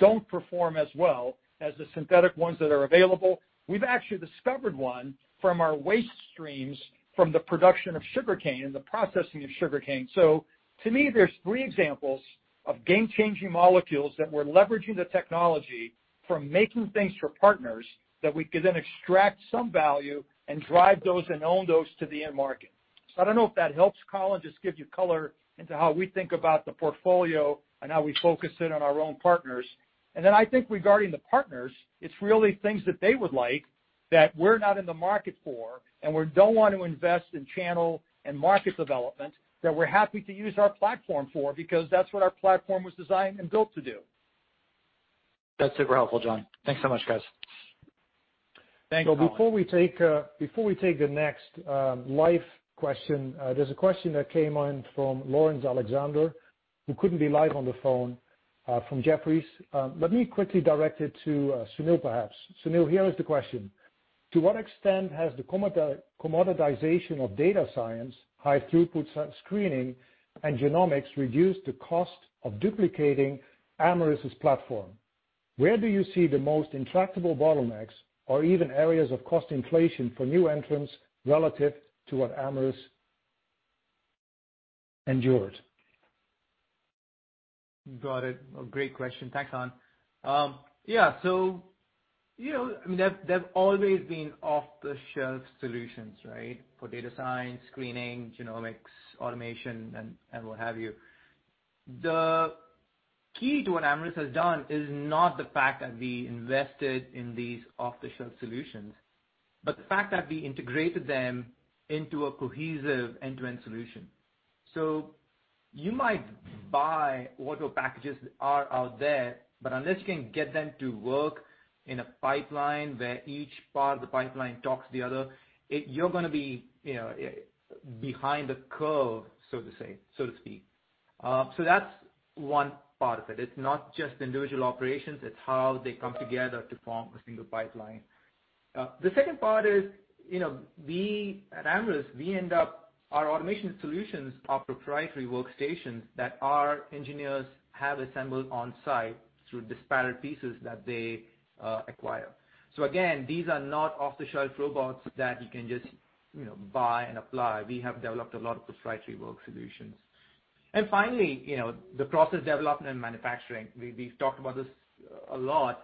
don't perform as well as the synthetic ones that are available. We've actually discovered one from our waste streams from the production of sugarcane and the processing of sugarcane. So to me, there's three examples of game-changing molecules that we're leveraging the technology from making things for partners that we can then extract some value and drive those and own those to the end market. So I don't know if that helps, Colin, just give you color into how we think about the portfolio and how we focus in on our own partners. Then I think, regarding the partners, it's really things that they would like that we're not in the market for and we don't want to invest in channel and market development that we're happy to use our platform for because that's what our platform was designed and built to do. That's super helpful, John. Thanks so much, guys. Thank you. Before we take the next live question, there's a question that came in from Laurence Alexander, who couldn't be live on the phone from Jefferies. Let me quickly direct it to Sunil, perhaps. Sunil, here is the question. To what extent has the commoditization of data science, high-throughput screening, and genomics reduced the cost of duplicating Amyris's platform? Where do you see the most intractable bottlenecks or even areas of cost inflation for new entrants relative to what Amyris endured? Got it. Great question. Thanks, Colin. Yeah. So I mean, they've always been off-the-shelf solutions, right, for data science, screening, genomics, automation, and what have you. The key to what Amyris has done is not the fact that we invested in these off-the-shelf solutions, but the fact that we integrated them into a cohesive end-to-end solution. So you might buy whatever packages are out there, but unless you can get them to work in a pipeline where each part of the pipeline talks to the other, you're going to be behind the curve, so to speak. So that's one part of it. It's not just individual operations. It's how they come together to form a single pipeline. The second part is we, at Amyris, we end up our automation solutions are proprietary workstations that our engineers have assembled on site through disparate pieces that they acquire. So again, these are not off-the-shelf robots that you can just buy and apply. We have developed a lot of proprietary work solutions. And finally, the process development and manufacturing. We've talked about this a lot.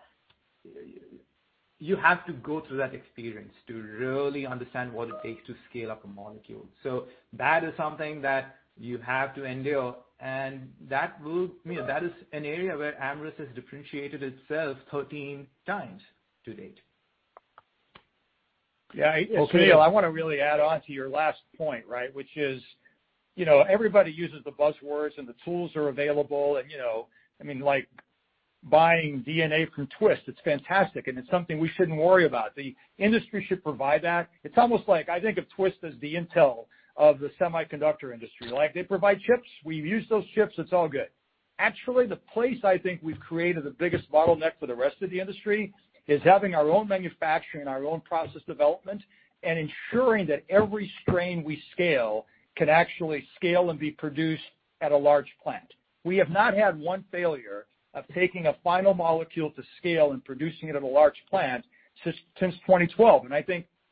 You have to go through that experience to really understand what it takes to scale up a molecule. So that is something that you have to endure, and that is an area where Amyris has differentiated itself 13 times to date. Yeah. Sunil, I want to really add on to your last point, right, which is everybody uses the buzzwords, and the tools are available. And I mean, like buying DNA from Twist, it's fantastic, and it's something we shouldn't worry about. The industry should provide that. It's almost like I think of Twist as the Intel of the semiconductor industry. They provide chips. We use those chips. It's all good. Actually, the place I think we've created the biggest bottleneck for the rest of the industry is having our own manufacturing and our own process development and ensuring that every strain we scale can actually scale and be produced at a large plant. We have not had one failure of taking a final molecule to scale and producing it at a large plant since 2012, and I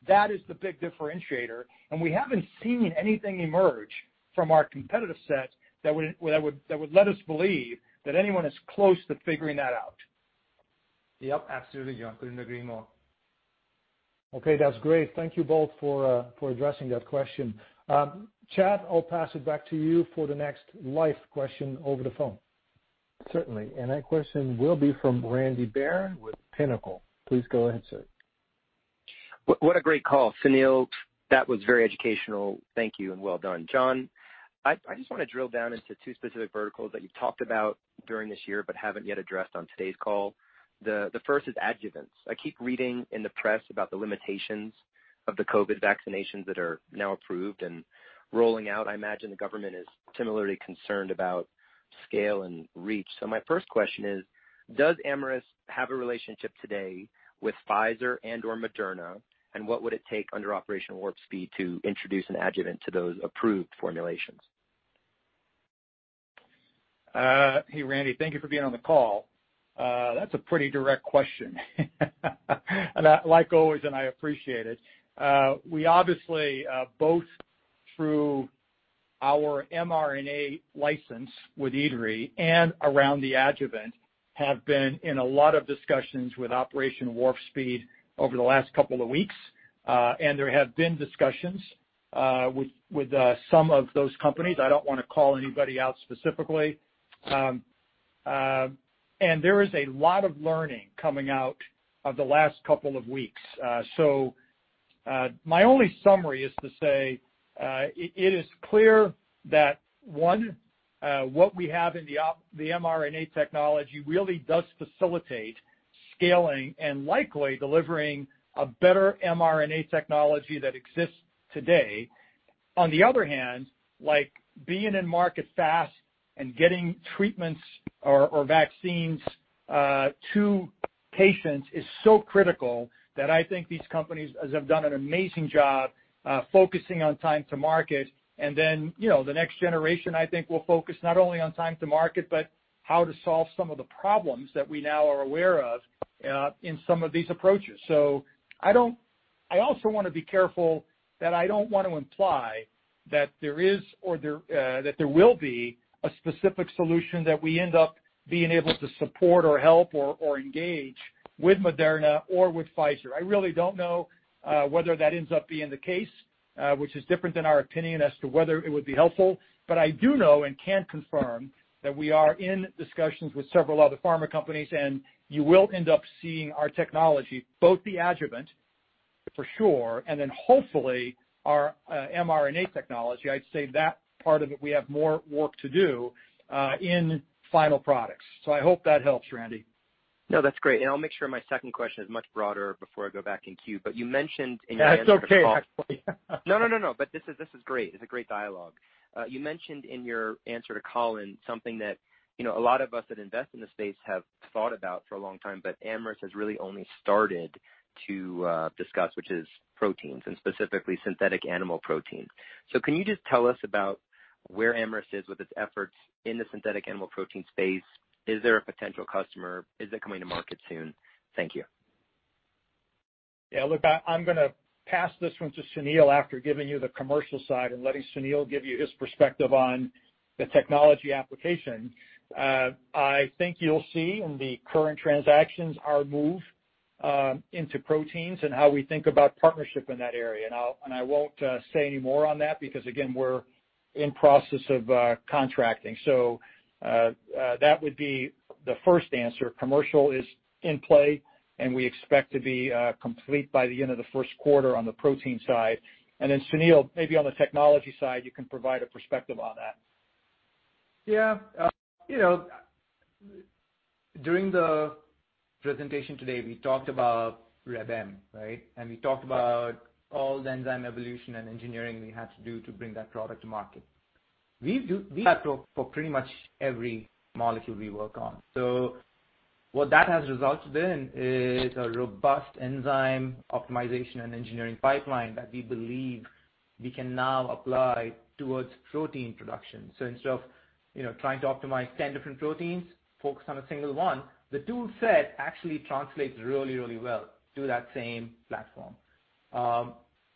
think that is the big differentiator. And we haven't seen anything emerge from our competitive set that would let us believe that anyone is close to figuring that out. Yep. Absolutely, John. Couldn't agree more. Okay. That's great. Thank you both for addressing that question. Chad, I'll pass it back to you for the next live question over the phone. Certainly. And that question will be from Randy Baron with Pinnacle. Please g o ahead, sir. What a great call. Sunil. That was very educational. Thank you and well done. John, I just want to drill down into two specific verticals that you've talked about during this year but haven't yet addressed on today's call. The first is adjuvants. I keep reading in the press about the limitations of the COVID vaccinations that are now approved and rolling out. I imagine the government is similarly concerned about scale and reach. So my first question is, does Amyris have a relationship today with Pfizer and/or Moderna, and what would it take under Operation Warp Speed to introduce an adjuvant to those approved formulations? Hey, Randy, thank you for being on the call. That's a pretty direct question, and like always, I appreciate it. We obviously both, through our mRNA license with IDRI and around the adjuvant, have been in a lot of discussions with Operation Warp Speed over the last couple of weeks, and there have been discussions with some of those companies. I don't want to call anybody out specifically, and there is a lot of learning coming out of the last couple of weeks, so my only summary is to say it is clear that, one, what we have in the mRNA technology really does facilitate scaling and likely delivering a better mRNA technology that exists today. On the other hand, being in market fast and getting treatments or vaccines to patients is so critical that I think these companies, as I've done, an amazing job focusing on time to market. And then the next generation, I think, will focus not only on time to market but how to solve some of the problems that we now are aware of in some of these approaches. So I also want to be careful that I don't want to imply that there is or that there will be a specific solution that we end up being able to support or help or engage with Moderna or with Pfizer. I really don't know whether that ends up being the case, which is different than our opinion as to whether it would be helpful. But I do know and can confirm that we are in discussions with several other pharma companies, and you will end up seeing our technology, both the adjuvant for sure, and then hopefully our mRNA technology. I'd say that part of it, we have more work to do in final products. So I hope that helps, Randy. No, that's great. And I'll make sure my second question is much broader before I go back in queue. But you mentioned in your answer to Paul. That's okay. No, no, no, no. But this is great. It's a great dialogue. You mentioned in your answer to Colin something that a lot of us that invest in the space have thought about for a long time, but Amyris has really only started to discuss, which is proteins and specifically synthetic animal proteins. So can you just tell us about where Amyris is with its efforts in the synthetic animal protein space? Is there a potential customer? Is it coming to market soon? Thank you. Yeah. Look, I'm going to pass this one to Sunil after giving you the commercial side and letting Sunil give you his perspective on the technology application. I think you'll see in the current transactions our move into proteins and how we think about partnership in that area. And I won't say any more on that because, again, we're in process of contracting. So that would be the first answer. Commercial is in play, and we expect to be complete by the end of the first quarter on the protein side. And then Sunil, maybe on the technology side, you can provide a perspective on that. Yeah. During the presentation today, we talked about Reb M, right? And we talked about all the enzyme evolution and engineering we had to do to bring that product to market. We have for pretty much every molecule we work on. So what that has resulted in is a robust enzyme optimization and engineering pipeline that we believe we can now apply towards protein production. So instead of trying to optimize 10 different proteins, focus on a single one, the toolset actually translates really, really well to that same platform.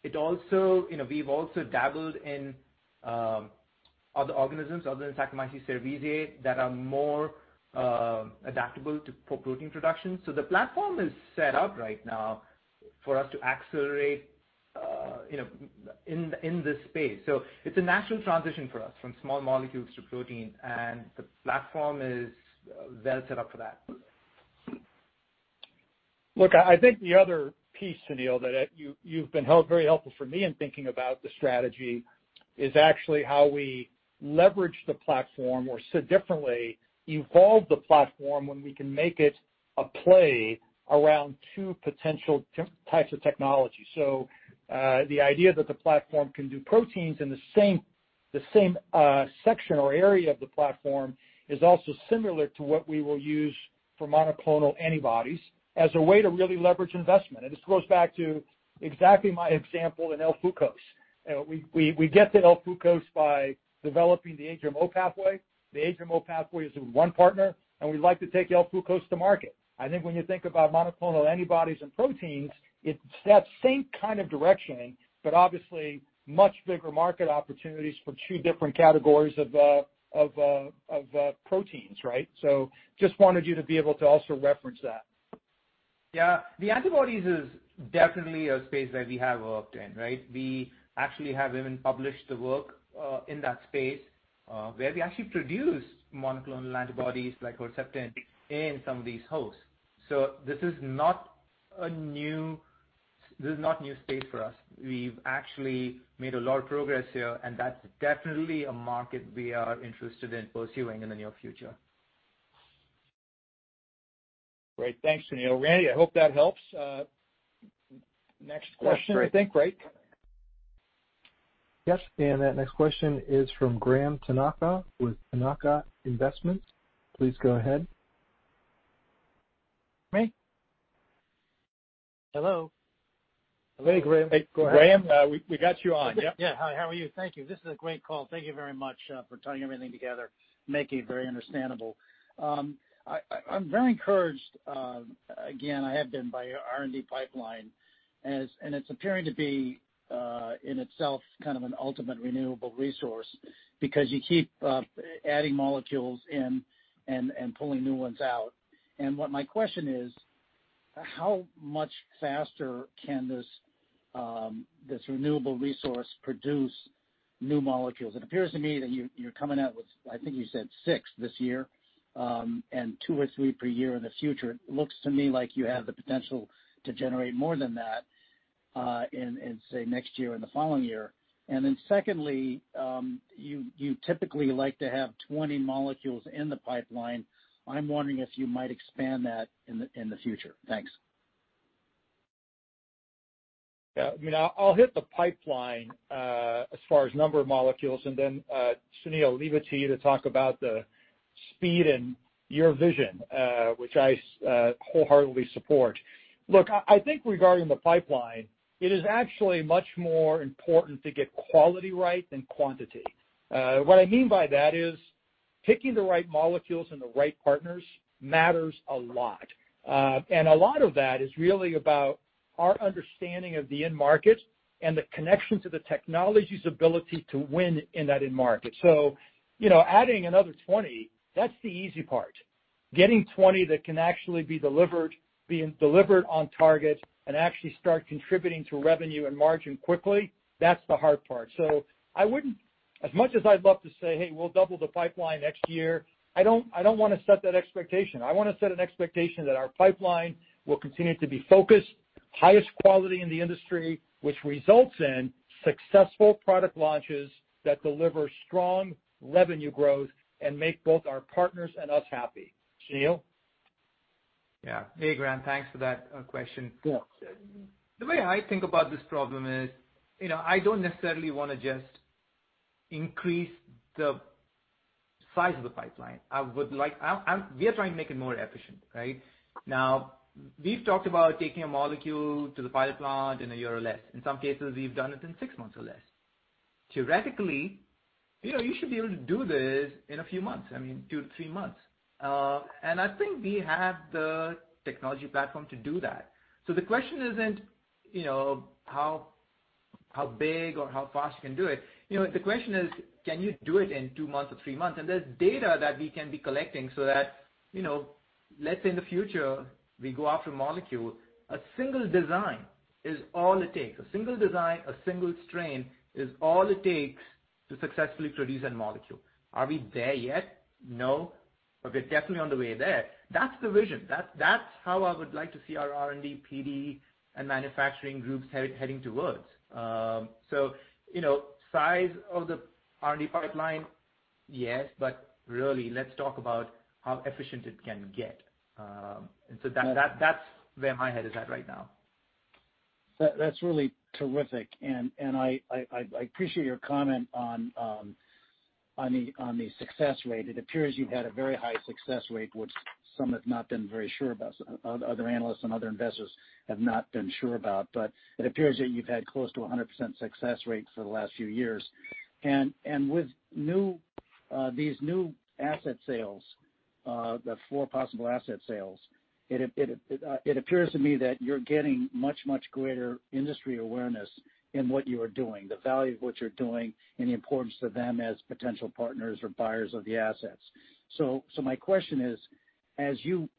We've also dabbled in other organisms other than Saccharomyces cerevisiae that are more adaptable for protein production, so the platform is set up right now for us to accelerate in this space, so it's a natural transition for us from small molecules to protein, and the platform is well set up for that. Look, I think the other piece, Sunil, that you've been very helpful for me in thinking about the strategy is actually how we leverage the platform or, said differently, evolve the platform when we can make it a play around two potential types of technology. The idea that the platform can do proteins in the same section or area of the platform is also similar to what we will use for monoclonal antibodies as a way to really leverage investment. This goes back to exactly my example in L-Fucose. We get to L-Fucose by developing the HMO pathway. The HMO pathway is with one partner, and we'd like to take L-Fucose to market. I think when you think about monoclonal antibodies and proteins, it's that same kind of direction, but obviously much bigger market opportunities for two different categories of proteins, right? Just wanted you to be able to also reference that. Yeah. The antibodies is definitely a space that we have worked in, right? We actually have even published the work in that space where we actually produce monoclonal antibodies like Herceptin in some of these hosts. So this is not a new space for us. We've actually made a lot of progress here, and that's definitely a market we are interested in pursuing in the near future. Great. Thanks, Sunil. Randy, I hope that helps. Next question, I think. Great. Yes. That next question is from Graham Tanaka with Tanaka Capital Management. Please go ahead. Hey. Hello. Hey, Graham. Hey. Go ahead. Graham, we got you on. Yep. Yeah. How are you? Thank you. This is a great call. Thank you very much for tying everything together, making it very understandable. I'm very encouraged. Again, I have been by R&D pipeline, and it's appearing to be in itself kind of an ultimate renewable resource because you keep adding molecules in and pulling new ones out. What my question is, how much faster can this renewable resource produce new molecules? It appears to me that you're coming out with, I think you said six this year and two or three per year in the future. It looks to me like you have the potential to generate more than that in, say, next year and the following year. Then secondly, you typically like to have 20 molecules in the pipeline. I'm wondering if you might expand that in the future. Thanks. Yeah. I mean, I'll hit the pipeline as far as number of molecules, and then Sunil, leave it to you to talk about the speed and your vision, which I wholeheartedly support. Look, I think regarding the pipeline, it is actually much more important to get quality right than quantity. What I mean by that is picking the right molecules and the right partners matters a lot, and a lot of that is really about our understanding of the end market and the connection to the technology's ability to win in that end market, so adding another 20, that's the easy part. Getting 20 that can actually be delivered, being delivered on target, and actually start contributing to revenue and margin quickly, that's the hard part, so I wouldn't, as much as I'd love to say, "Hey, we'll double the pipeline next year," I don't want to set that expectation. I want to set an expectation that our pipeline will continue to be focused, highest quality in the industry, which results in successful product launches that deliver strong revenue growth and make both our partners and us happy. Sunil? Yeah. Hey, Graham. Thanks for that question. The way I think about this problem is I don't necessarily want to just increase the size of the pipeline. We are trying to make it more efficient, right? Now, we've talked about taking a molecule to the pilot plant in a year or less. In some cases, we've done it in six months or less. Theoretically, you should be able to do this in a few months, I mean, two to three months, and I think we have the technology platform to do that. So the question isn't how big or how fast you can do it. The question is, can you do it in two months or three months? And there's data that we can be collecting so that, let's say in the future, we go after a molecule. A single design is all it takes. A single design, a single strain is all it takes to successfully produce that molecule. Are we there yet? No. But we're definitely on the way there. That's the vision. That's how I would like to see our R&D, PD, and manufacturing groups heading towards. So size of the R&D pipeline, yes, but really, let's talk about how efficient it can get. And so that's where my head is at right now. That's really terrific. And I appreciate your comment on the success rate. It appears you've had a very high success rate, which some have not been very sure about, other analysts and other investors have not been sure about, but it appears that you've had close to 100% success rate for the last few years, and with these new asset sales, the four possible asset sales, it appears to me that you're getting much, much greater industry awareness in what you are doing, the value of what you're doing, and the importance of them as potential partners or buyers of the assets, so my question is, as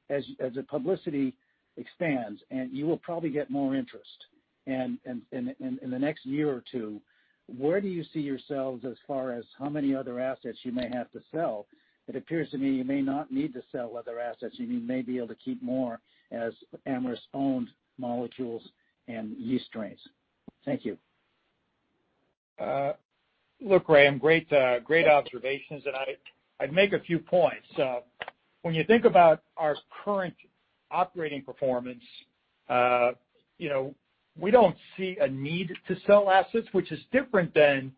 the publicity expands and you will probably get more interest in the next year or two, where do you see yourselves as far as how many other assets you may have to sell? It appears to me you may not need to sell other assets. You may be able to keep more as Amyris-owned molecules and yeast strains. Thank you. Look, Graham, great observations, and I'd make a few points. When you think about our current operating performance, we don't see a need to sell assets, which is different than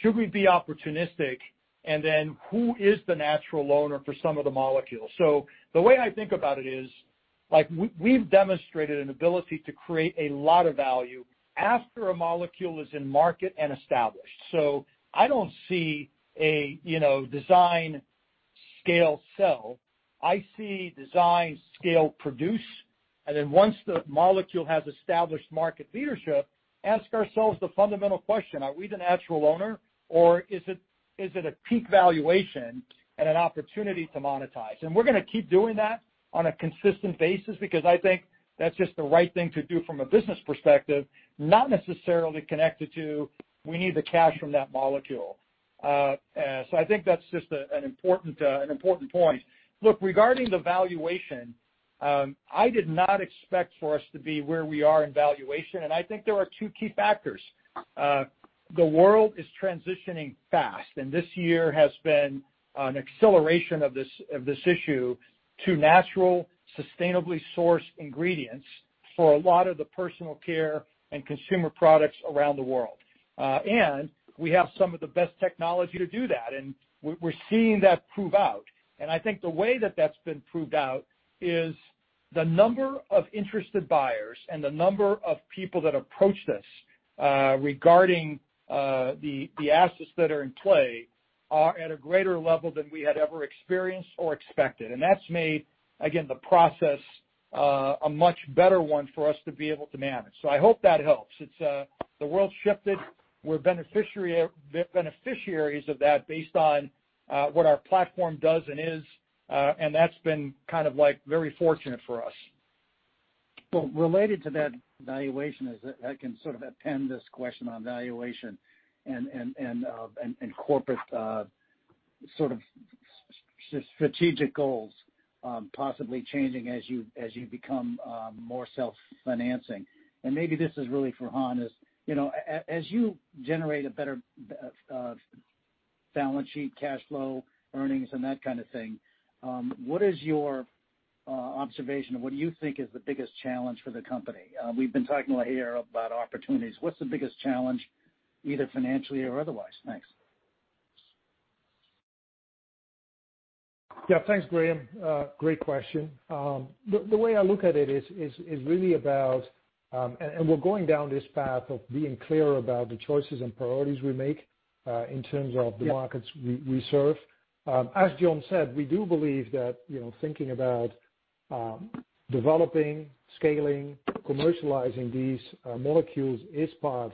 should we be opportunistic, and then who is the natural owner for some of the molecules, so the way I think about it is we've demonstrated an ability to create a lot of value after a molecule is in market and established, so I don't see a design, scale, sell. I see design, scale, produce, and then once the molecule has established market leadership, ask ourselves the fundamental question: Are we the natural owner or is it a peak valuation and an opportunity to monetize? And we're going to keep doing that on a consistent basis because I think that's just the right thing to do from a business perspective, not necessarily connected to we need the cash from that molecule. So I think that's just an important point. Look, regarding the valuation, I did not expect for us to be where we are in valuation. And I think there are two key factors. The world is transitioning fast, and this year has been an acceleration of this issue to natural, sustainably sourced ingredients for a lot of the personal care and consumer products around the world. And we have some of the best technology to do that, and we're seeing that prove out. And I think the way that that's been proved out is the number of interested buyers and the number of people that approached us regarding the assets that are in play are at a greater level than we had ever experienced or expected. And that's made, again, the process a much better one for us to be able to manage. So I hope that helps. The world shifted. We're beneficiaries of that based on what our platform does and is, and that's been kind of very fortunate for us. Well, related to that valuation, I can sort of append this question on valuation and corporate sort of strategic goals, possibly changing as you become more self-financing. And maybe this is really for Han, as you generate a better balance sheet, cash flow, earnings, and that kind of thing, what is your observation? What do you think is the biggest challenge for the company? We've been talking here about opportunities. What's the biggest challenge, either financially or otherwise? Thanks. Yeah. Thanks, Graham. Great question. The way I look at it is really about, and we're going down this path of being clear about the choices and priorities we make in terms of the markets we serve. As John said, we do believe that thinking about developing, scaling, commercializing these molecules is part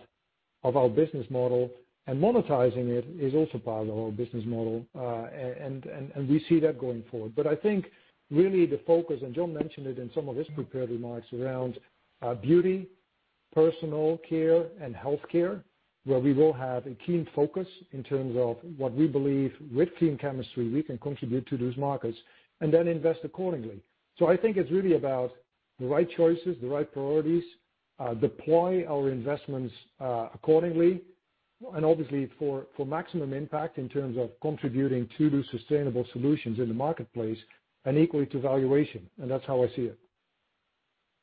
of our business model, and monetizing it is also part of our business model. And we see that going forward. But I think really the focus, and John mentioned it in some of his prepared remarks around beauty, personal care, and healthcare, where we will have a keen focus in terms of what we believe with clean chemistry we can contribute to those markets and then invest accordingly. So I think it's really about the right choices, the right priorities, deploy our investments accordingly, and obviously for maximum impact in terms of contributing to those sustainable solutions in the marketplace and equally to valuation. And that's how I see it.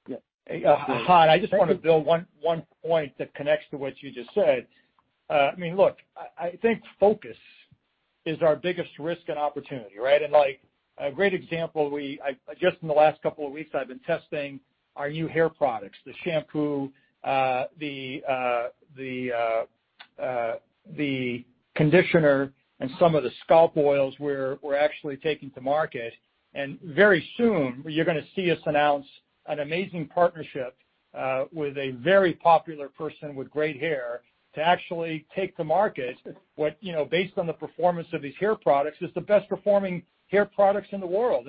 Yeah. Han, I just want to build one point that connects to what you just said. I mean, look, I think focus is our biggest risk and opportunity, right? And a great example, just in the last couple of weeks, I've been testing our new hair products, the shampoo, the conditioner, and some of the scalp oils we're actually taking to market. And very soon, you're going to see us announce an amazing partnership with a very popular person with great hair to actually take to market what, based on the performance of these hair products, is the best-performing hair products in the world.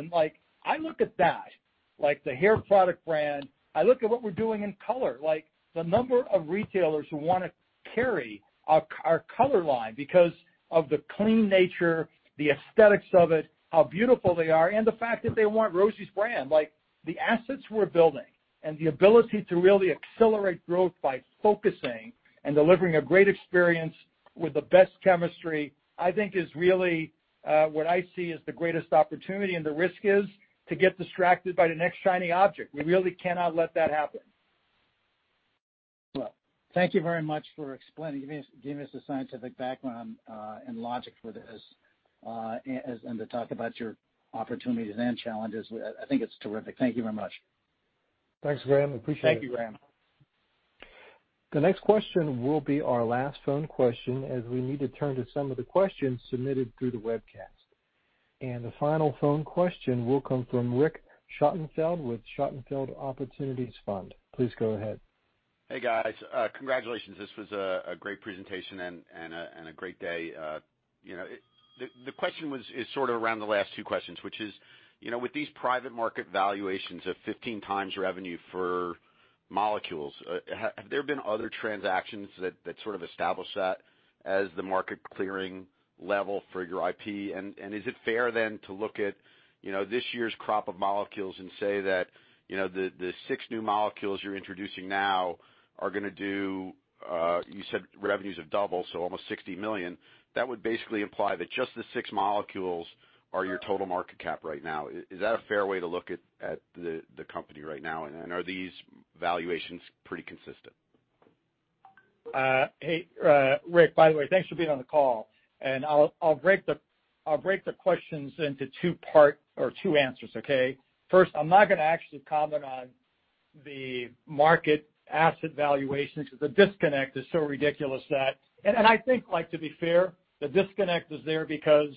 I look at that, the hair product brand. I look at what we're doing in color, the number of retailers who want to carry our color line because of the clean nature, the aesthetics of it, how beautiful they are, and the fact that they want Rosie's brand. The assets we're building and the ability to really accelerate growth by focusing and delivering a great experience with the best chemistry, I think is really what I see as the greatest opportunity. The risk is to get distracted by the next shiny object. We really cannot let that happen. Thank you very much for explaining, giving us the scientific background and logic for this and to talk about your opportunities and challenges. I think it's terrific. Thank you very much. Thanks, Graham. Appreciate it. Thank you, Graham. The next question will be our last phone question as we need to turn to some of the questions submitted through the webcast. And the final phone question will come from Rick Schottenfeld with Schottenfeld Opportunities Fund. Please go ahead. Hey, guys. Congratulations. This was a great presentation and a great day. The question is sort of around the last two questions, which is, with these private market valuations of 15 times revenue for molecules, have there been other transactions that sort of establish that as the market clearing level for your IP? And is it fair then to look at this year's crop of molecules and say that the six new molecules you're introducing now are going to do, you said, revenues of double, so almost $60 million? That would basically imply that just the six molecules are your total market cap right now. Is that a fair way to look at the company right now? And are these valuations pretty consistent? Hey, Rick, by the way, thanks for being on the call. And I'll break the questions into two parts or two answers, okay? First, I'm not going to actually comment on the market asset valuations because the disconnect is so ridiculous that, and I think, to be fair, the disconnect is there because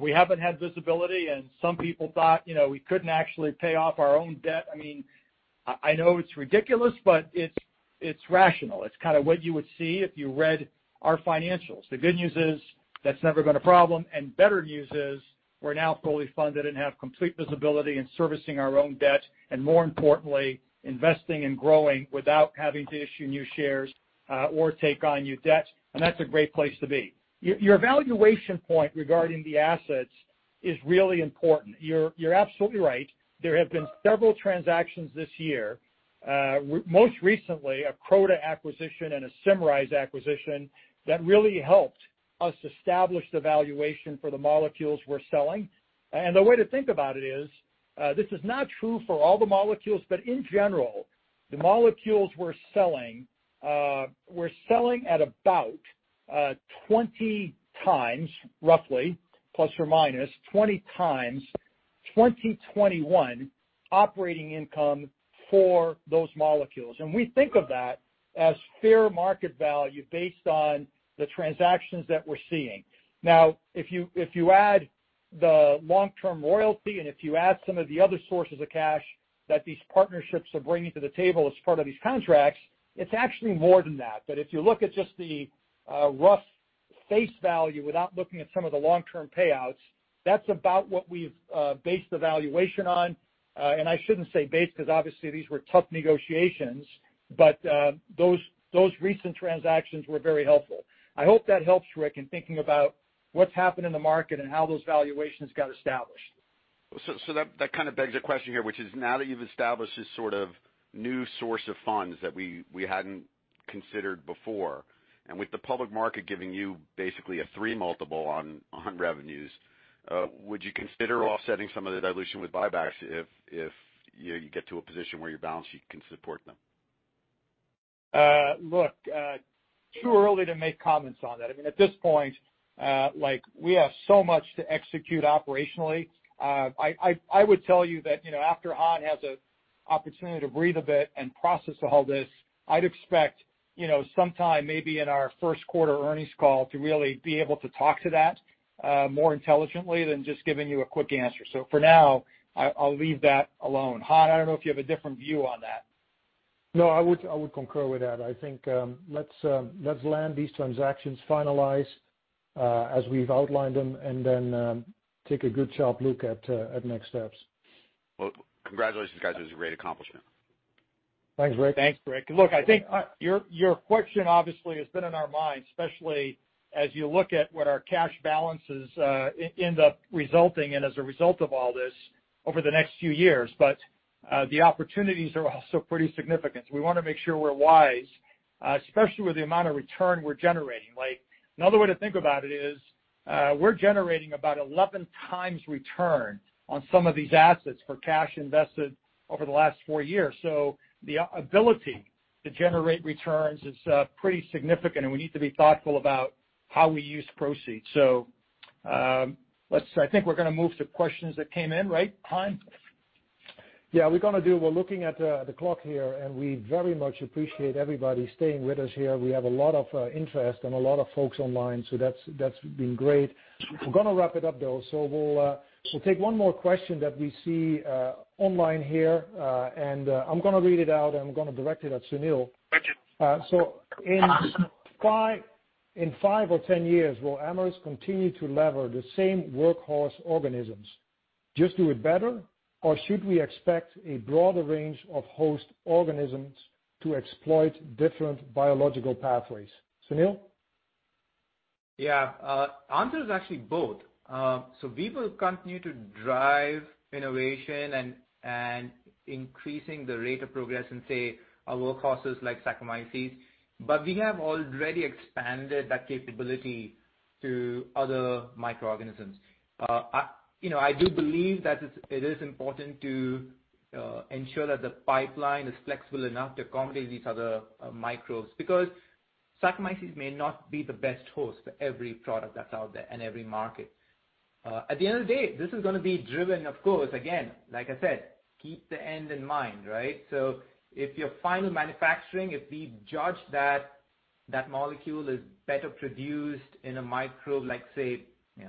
we haven't had visibility, and some people thought we couldn't actually pay off our own debt. I mean, I know it's ridiculous, but it's rational. It's kind of what you would see if you read our financials. The good news is that's never been a problem. And better news is we're now fully funded and have complete visibility and servicing our own debt and, more importantly, investing and growing without having to issue new shares or take on new debt. And that's a great place to be. Your valuation point regarding the assets is really important. You're absolutely right. There have been several transactions this year, most recently a Croda acquisition and a Symrise acquisition that really helped us establish the valuation for the molecules we're selling. And the way to think about it is this is not true for all the molecules, but in general, the molecules we're selling, we're selling at about 20 times, roughly, plus or minus 20 times 2021 operating income for those molecules. And we think of that as fair market value based on the transactions that we're seeing. Now, if you add the long-term royalty and if you add some of the other sources of cash that these partnerships are bringing to the table as part of these contracts, it's actually more than that. But if you look at just the rough face value without looking at some of the long-term payouts, that's about what we've based the valuation on. And I shouldn't say based because, obviously, these were tough negotiations, but those recent transactions were very helpful. I hope that helps, Rick, in thinking about what's happened in the market and how those valuations got established. So that kind of begs a question here, which is now that you've established this sort of new source of funds that we hadn't considered before, and with the public market giving you basically a three-multiple on revenues, would you consider offsetting some of the dilution with buybacks if you get to a position where your balance sheet can support them? Look, too early to make comments on that. I mean, at this point, we have so much to execute operationally. I would tell you that after Han has an opportunity to breathe a bit and process all this, I'd expect sometime maybe in our first quarter earnings call to really be able to talk to that more intelligently than just giving you a quick answer. So for now, I'll leave that alone. Han, I don't know if you have a different view on that. No, I would concur with that. I think let's land these transactions, finalize as we've outlined them, and then take a good sharp look at next steps. Well, congratulations, guys. It was a great accomplishment. Thanks, Rick. Thanks, Rick. Look, I think your question obviously has been in our minds, especially as you look at what our cash balances end up resulting in as a result of all this over the next few years. But the opportunities are also pretty significant. So we want to make sure we're wise, especially with the amount of return we're generating. Another way to think about it is we're generating about 11 times return on some of these assets for cash invested over the last four years. So the ability to generate returns is pretty significant, and we need to be thoughtful about how we use proceeds. So I think we're going to move to questions that came in, right, Han? Yeah. We're going to do. We're looking at the clock here, and we very much appreciate everybody staying with us here. We have a lot of interest and a lot of folks online, so that's been great. We're going to wrap it up, though. So we'll take one more question that we see online here, and I'm going to read it out, and I'm going to direct it at Sunil. So in five or 10 years, will Amyris continue to leverage the same workhorse organisms? Just do it better, or should we expect a broader range of host organisms to exploit different biological pathways? Sunil? Yeah. The answer is actually both. So we will continue to drive innovation and increasing the rate of progress and say our workhorses like Saccharomyces, but we have already expanded that capability to other microorganisms. I do believe that it is important to ensure that the pipeline is flexible enough to accommodate these other microbes because Saccharomyces may not be the best host for every product that's out there and every market. At the end of the day, this is going to be driven, of course, again, like I said, keep the end in mind, right? So if your final manufacturing, if we judge that that molecule is better produced in a microbe, like say,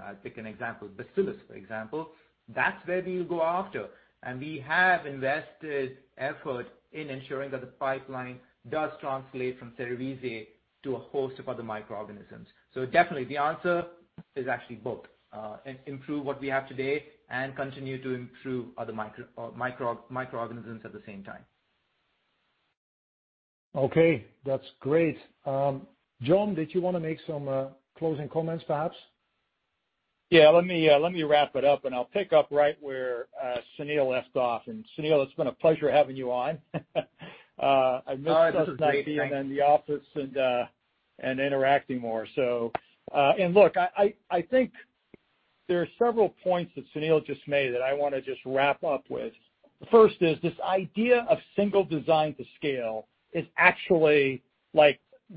I'll pick an example, Bacillus, for example, that's where we will go after. And we have invested effort in ensuring that the pipeline does translate from Cerevisiae to a host of other microorganisms. So definitely, the answer is actually both: improve what we have today and continue to improve other microorganisms at the same time. Okay. That's great. John, did you want to make some closing comments, perhaps? Yeah. Let me wrap it up, and I'll pick up right where Sunil left off. And Sunil, it's been a pleasure having you on. I missed this idea and then the office and interacting more. And look, I think there are several points that Sunil just made that I want to just wrap up with. The first is this idea of single design to scale is actually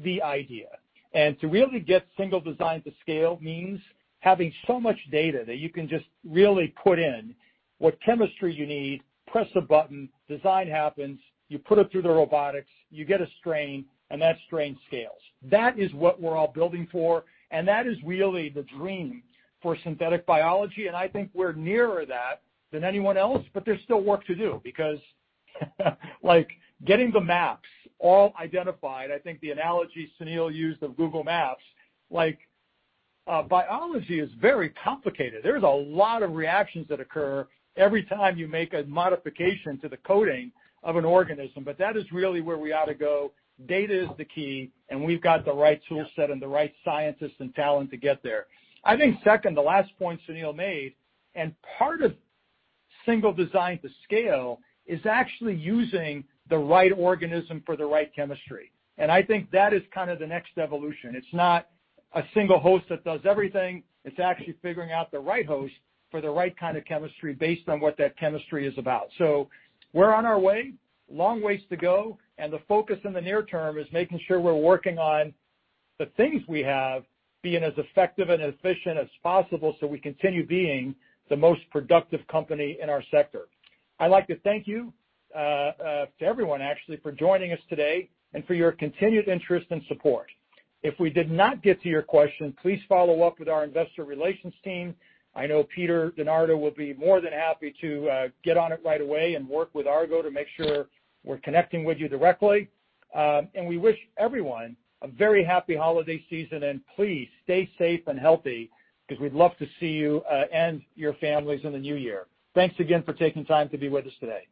the idea. And to really get single design to scale means having so much data that you can just really put in what chemistry you need, press a button, design happens, you put it through the robotics, you get a strain, and that strain scales. That is what we're all building for, and that is really the dream for synthetic biology, and I think we're nearer that than anyone else, but there's still work to do because getting the maps all identified. I think the analogy Sunil used of Google Maps, biology is very complicated. There's a lot of reactions that occur every time you make a modification to the coding of an organism, but that is really where we ought to go. Data is the key, and we've got the right toolset and the right scientists and talent to get there. I think second, the last point Sunil made, and part of single design to scale is actually using the right organism for the right chemistry, and I think that is kind of the next evolution. It's not a single host that does everything. It's actually figuring out the right host for the right kind of chemistry based on what that chemistry is about. So we're on our way, long ways to go, and the focus in the near term is making sure we're working on the things we have being as effective and efficient as possible so we continue being the most productive company in our sector. I'd like to thank you to everyone, actually, for joining us today and for your continued interest and support. If we did not get to your question, please follow up with our investor relations team. I know Peter DeNardo will be more than happy to get on it right away and work with Argot to make sure we're connecting with you directly. And we wish everyone a very happy holiday season, and please stay safe and healthy because we'd love to see you and your families in the new year. Thanks again for taking time to be with us today.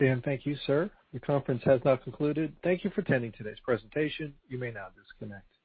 Dan, thank you, sir. The conference has now concluded. Thank you for attending today's presentation. You may now disconnect.